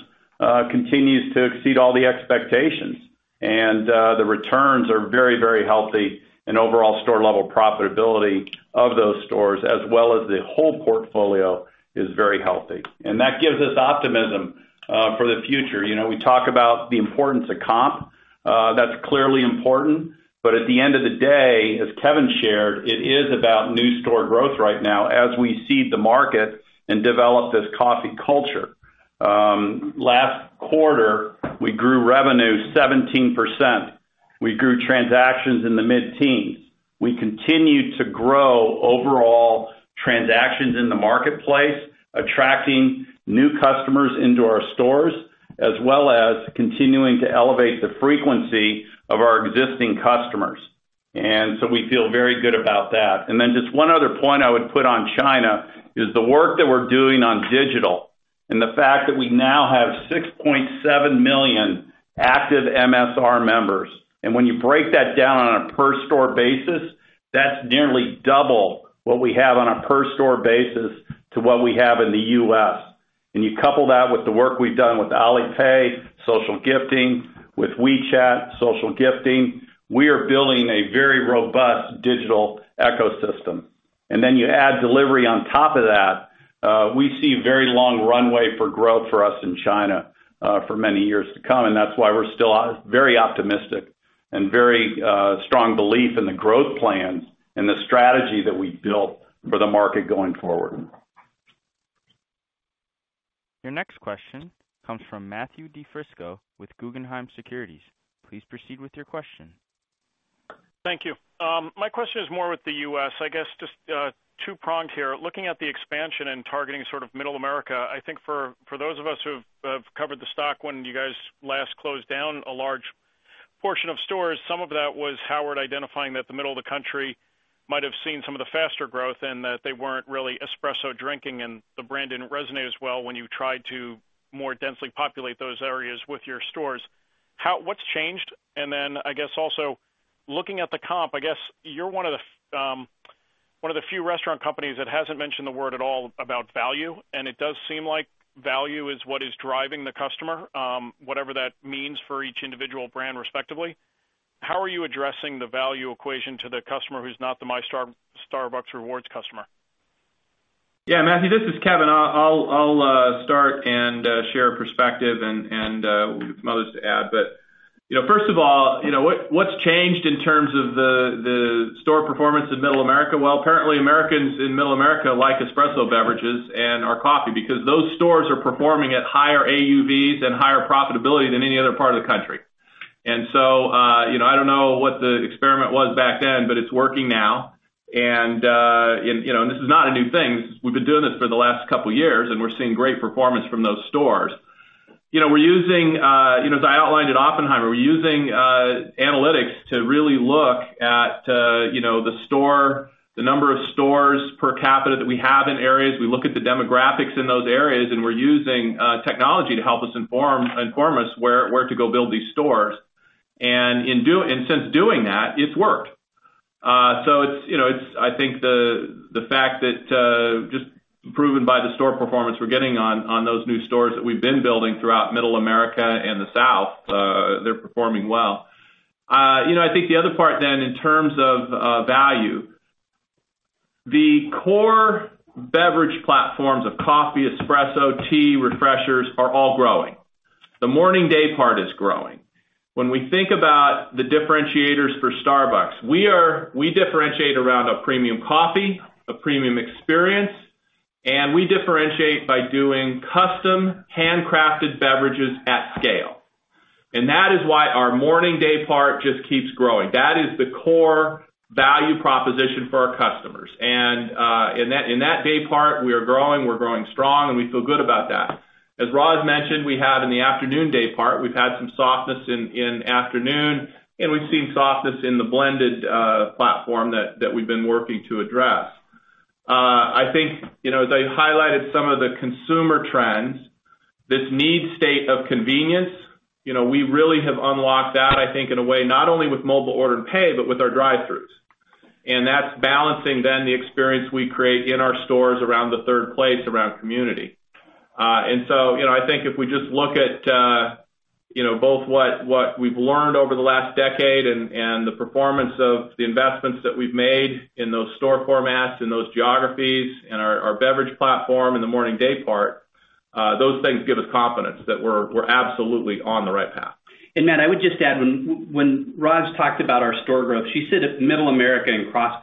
continues to exceed all the expectations. The returns are very healthy, and overall store level profitability of those stores, as well as the whole portfolio, is very healthy. That gives us optimism for the future. We talk about the importance of comp. That's clearly important. At the end of the day, as Kevin shared, it is about new store growth right now, as we seed the market and develop this coffee culture. Last quarter, we grew revenue 17%. We grew transactions in the mid-teens. We continued to grow overall transactions in the marketplace, attracting new customers into our stores, as well as continuing to elevate the frequency of our existing customers. We feel very good about that. Just one other point I would put on China is the work that we're doing on digital and the fact that we now have 6.7 million active MSR members. When you break that down on a per store basis, that's nearly double what we have on a per store basis to what we have in the U.S. You couple that with the work we've done with Alipay, social gifting, with WeChat, social gifting. We are building a very robust digital ecosystem. You add delivery on top of that. We see very long runway for growth for us in China for many years to come, and that's why we're still very optimistic and very strong belief in the growth plans and the strategy that we've built for the market going forward. Your next question comes from Matthew DiFrisco with Guggenheim Securities. Please proceed with your question. Thank you. My question is more with the U.S. I guess just two prongs here. Looking at the expansion and targeting sort of Middle America, I think for those of us who've covered the stock when you guys last closed down a large portion of stores, some of that was Howard identifying that the middle of the country might have seen some of the faster growth and that they weren't really espresso drinking and the brand didn't resonate as well when you tried to more densely populate those areas with your stores. What's changed? I guess also looking at the comp, it does seem like value is what is driving the customer, whatever that means for each individual brand, respectively. How are you addressing the value equation to the customer who's not the My Starbucks Rewards customer? Yeah, Matthew, this is Kevin. I'll start and share a perspective and get some others to add. First of all, what's changed in terms of the store performance in Middle America? Well, apparently Americans in Middle America like espresso beverages and our coffee because those stores are performing at higher AUVs and higher profitability than any other part of the country. I don't know what the experiment was back then, but it's working now. This is not a new thing. We've been doing this for the last couple of years, and we're seeing great performance from those stores. As I outlined at Oppenheimer, we're using analytics to really look at the number of stores per capita that we have in areas. We look at the demographics in those areas, and we're using technology to help us inform us where to go build these stores. Since doing that, it's worked. I think the fact that just proven by the store performance we're getting on those new stores that we've been building throughout Middle America and the South, they're performing well. I think the other part then in terms of value, the core beverage platforms of coffee, espresso, tea, Refreshers are all growing. The morning day part is growing. When we think about the differentiators for Starbucks, we differentiate around a premium coffee, a premium experience, and we differentiate by doing custom handcrafted beverages at scale. That is why our morning day part just keeps growing. That is the core value proposition for our customers. In that day part, we are growing, we're growing strong, and we feel good about that. As Roz mentioned, we have in the afternoon day part, we've had some softness in afternoon, and we've seen softness in the blended platform that we've been working to address. I think, as I highlighted some of the consumer trends, this need state of convenience, we really have unlocked that, I think, in a way, not only with Mobile Order & Pay, but with our drive-throughs. That's balancing then the experience we create in our stores around the third place around community. I think if we just look at both what we've learned over the last decade and the performance of the investments that we've made in those store formats, in those geographies, in our beverage platform, in the morning day part, those things give us confidence that we're absolutely on the right path. Matt, I would just add, when Roz talked about our store growth, she said Middle America and across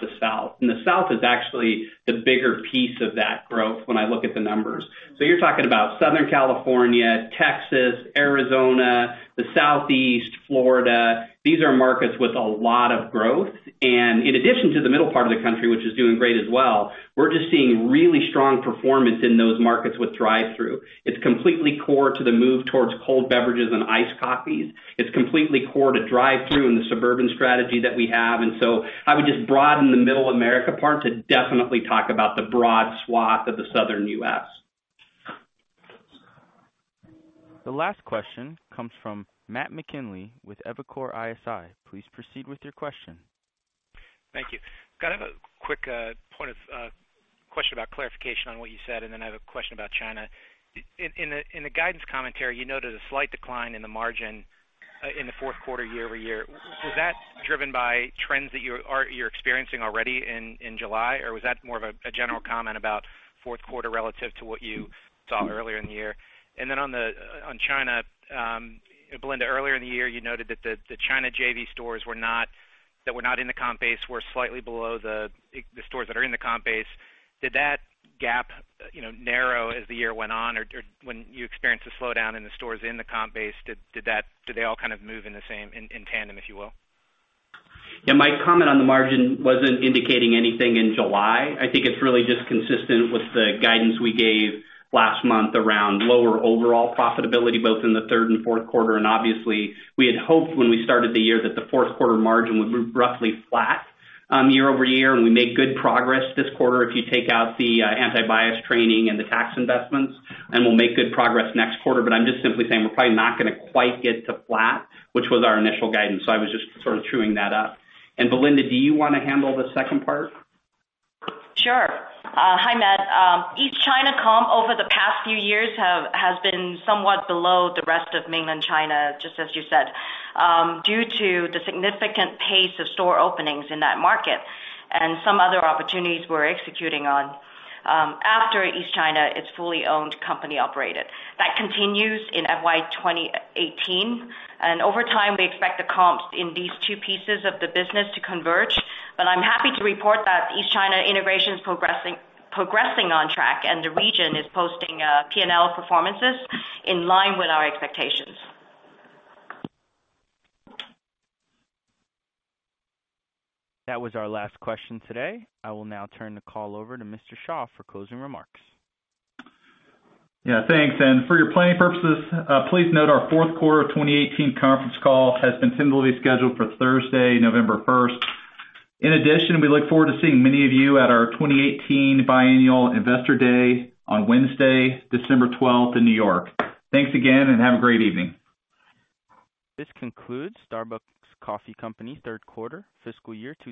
the South. The South is actually the bigger piece of that growth when I look at the numbers. You're talking about Southern California, Texas, Arizona, the Southeast, Florida. These are markets with a lot of growth. In addition to the middle part of the country, which is doing great as well, we're just seeing really strong performance in those markets with drive-thru. It's completely core to the move towards cold beverages and iced coffees. It's completely core to drive-thru and the suburban strategy that we have. I would just broaden the Middle America part to definitely talk about the broad swath of the Southern U.S. The last question comes from Matt McGinley with Evercore ISI. Please proceed with your question. Thank you. Can I have a quick point of question about clarification on what you said, then I have a question about China. In the guidance commentary, you noted a slight decline in the margin in the fourth quarter year-over-year. Was that driven by trends that you're experiencing already in July, or was that more of a general comment about fourth quarter relative to what you saw earlier in the year? On China, Belinda, earlier in the year, you noted that the China JV stores that were not in the comp base were slightly below the stores that are in the comp base. Did that gap narrow as the year went on, or when you experienced a slowdown in the stores in the comp base, did they all kind of move in tandem, if you will? Yeah, my comment on the margin wasn't indicating anything in July. I think it's really just consistent with the guidance we gave last month around lower overall profitability, both in the third and fourth quarter. Obviously, we had hoped when we started the year that the fourth quarter margin would move roughly flat year-over-year, and we made good progress this quarter if you take out the anti-bias training and the tax investments, and we'll make good progress next quarter. I'm just simply saying we're probably not going to quite get to flat, which was our initial guidance. I was just sort of truing that up. Belinda, do you want to handle the second part? Sure. Hi, Matt. East China comp over the past few years has been somewhat below the rest of mainland China, just as you said, due to the significant pace of store openings in that market and some other opportunities we're executing on after East China is fully owned, company operated. That continues in FY 2018. Over time, we expect the comps in these two pieces of the business to converge. I'm happy to report that East China integration's progressing on track, and the region is posting P&L performances in line with our expectations. That was our last question today. I will now turn the call over to Mr. Shaw for closing remarks. Yeah, thanks. For your planning purposes, please note our fourth quarter 2018 conference call has been tentatively scheduled for Thursday, November 1st. In addition, we look forward to seeing many of you at our 2018 biannual Investor Day on Wednesday, December 12th in New York. Thanks again, and have a great evening. This concludes Starbucks Coffee Company third quarter fiscal year 2018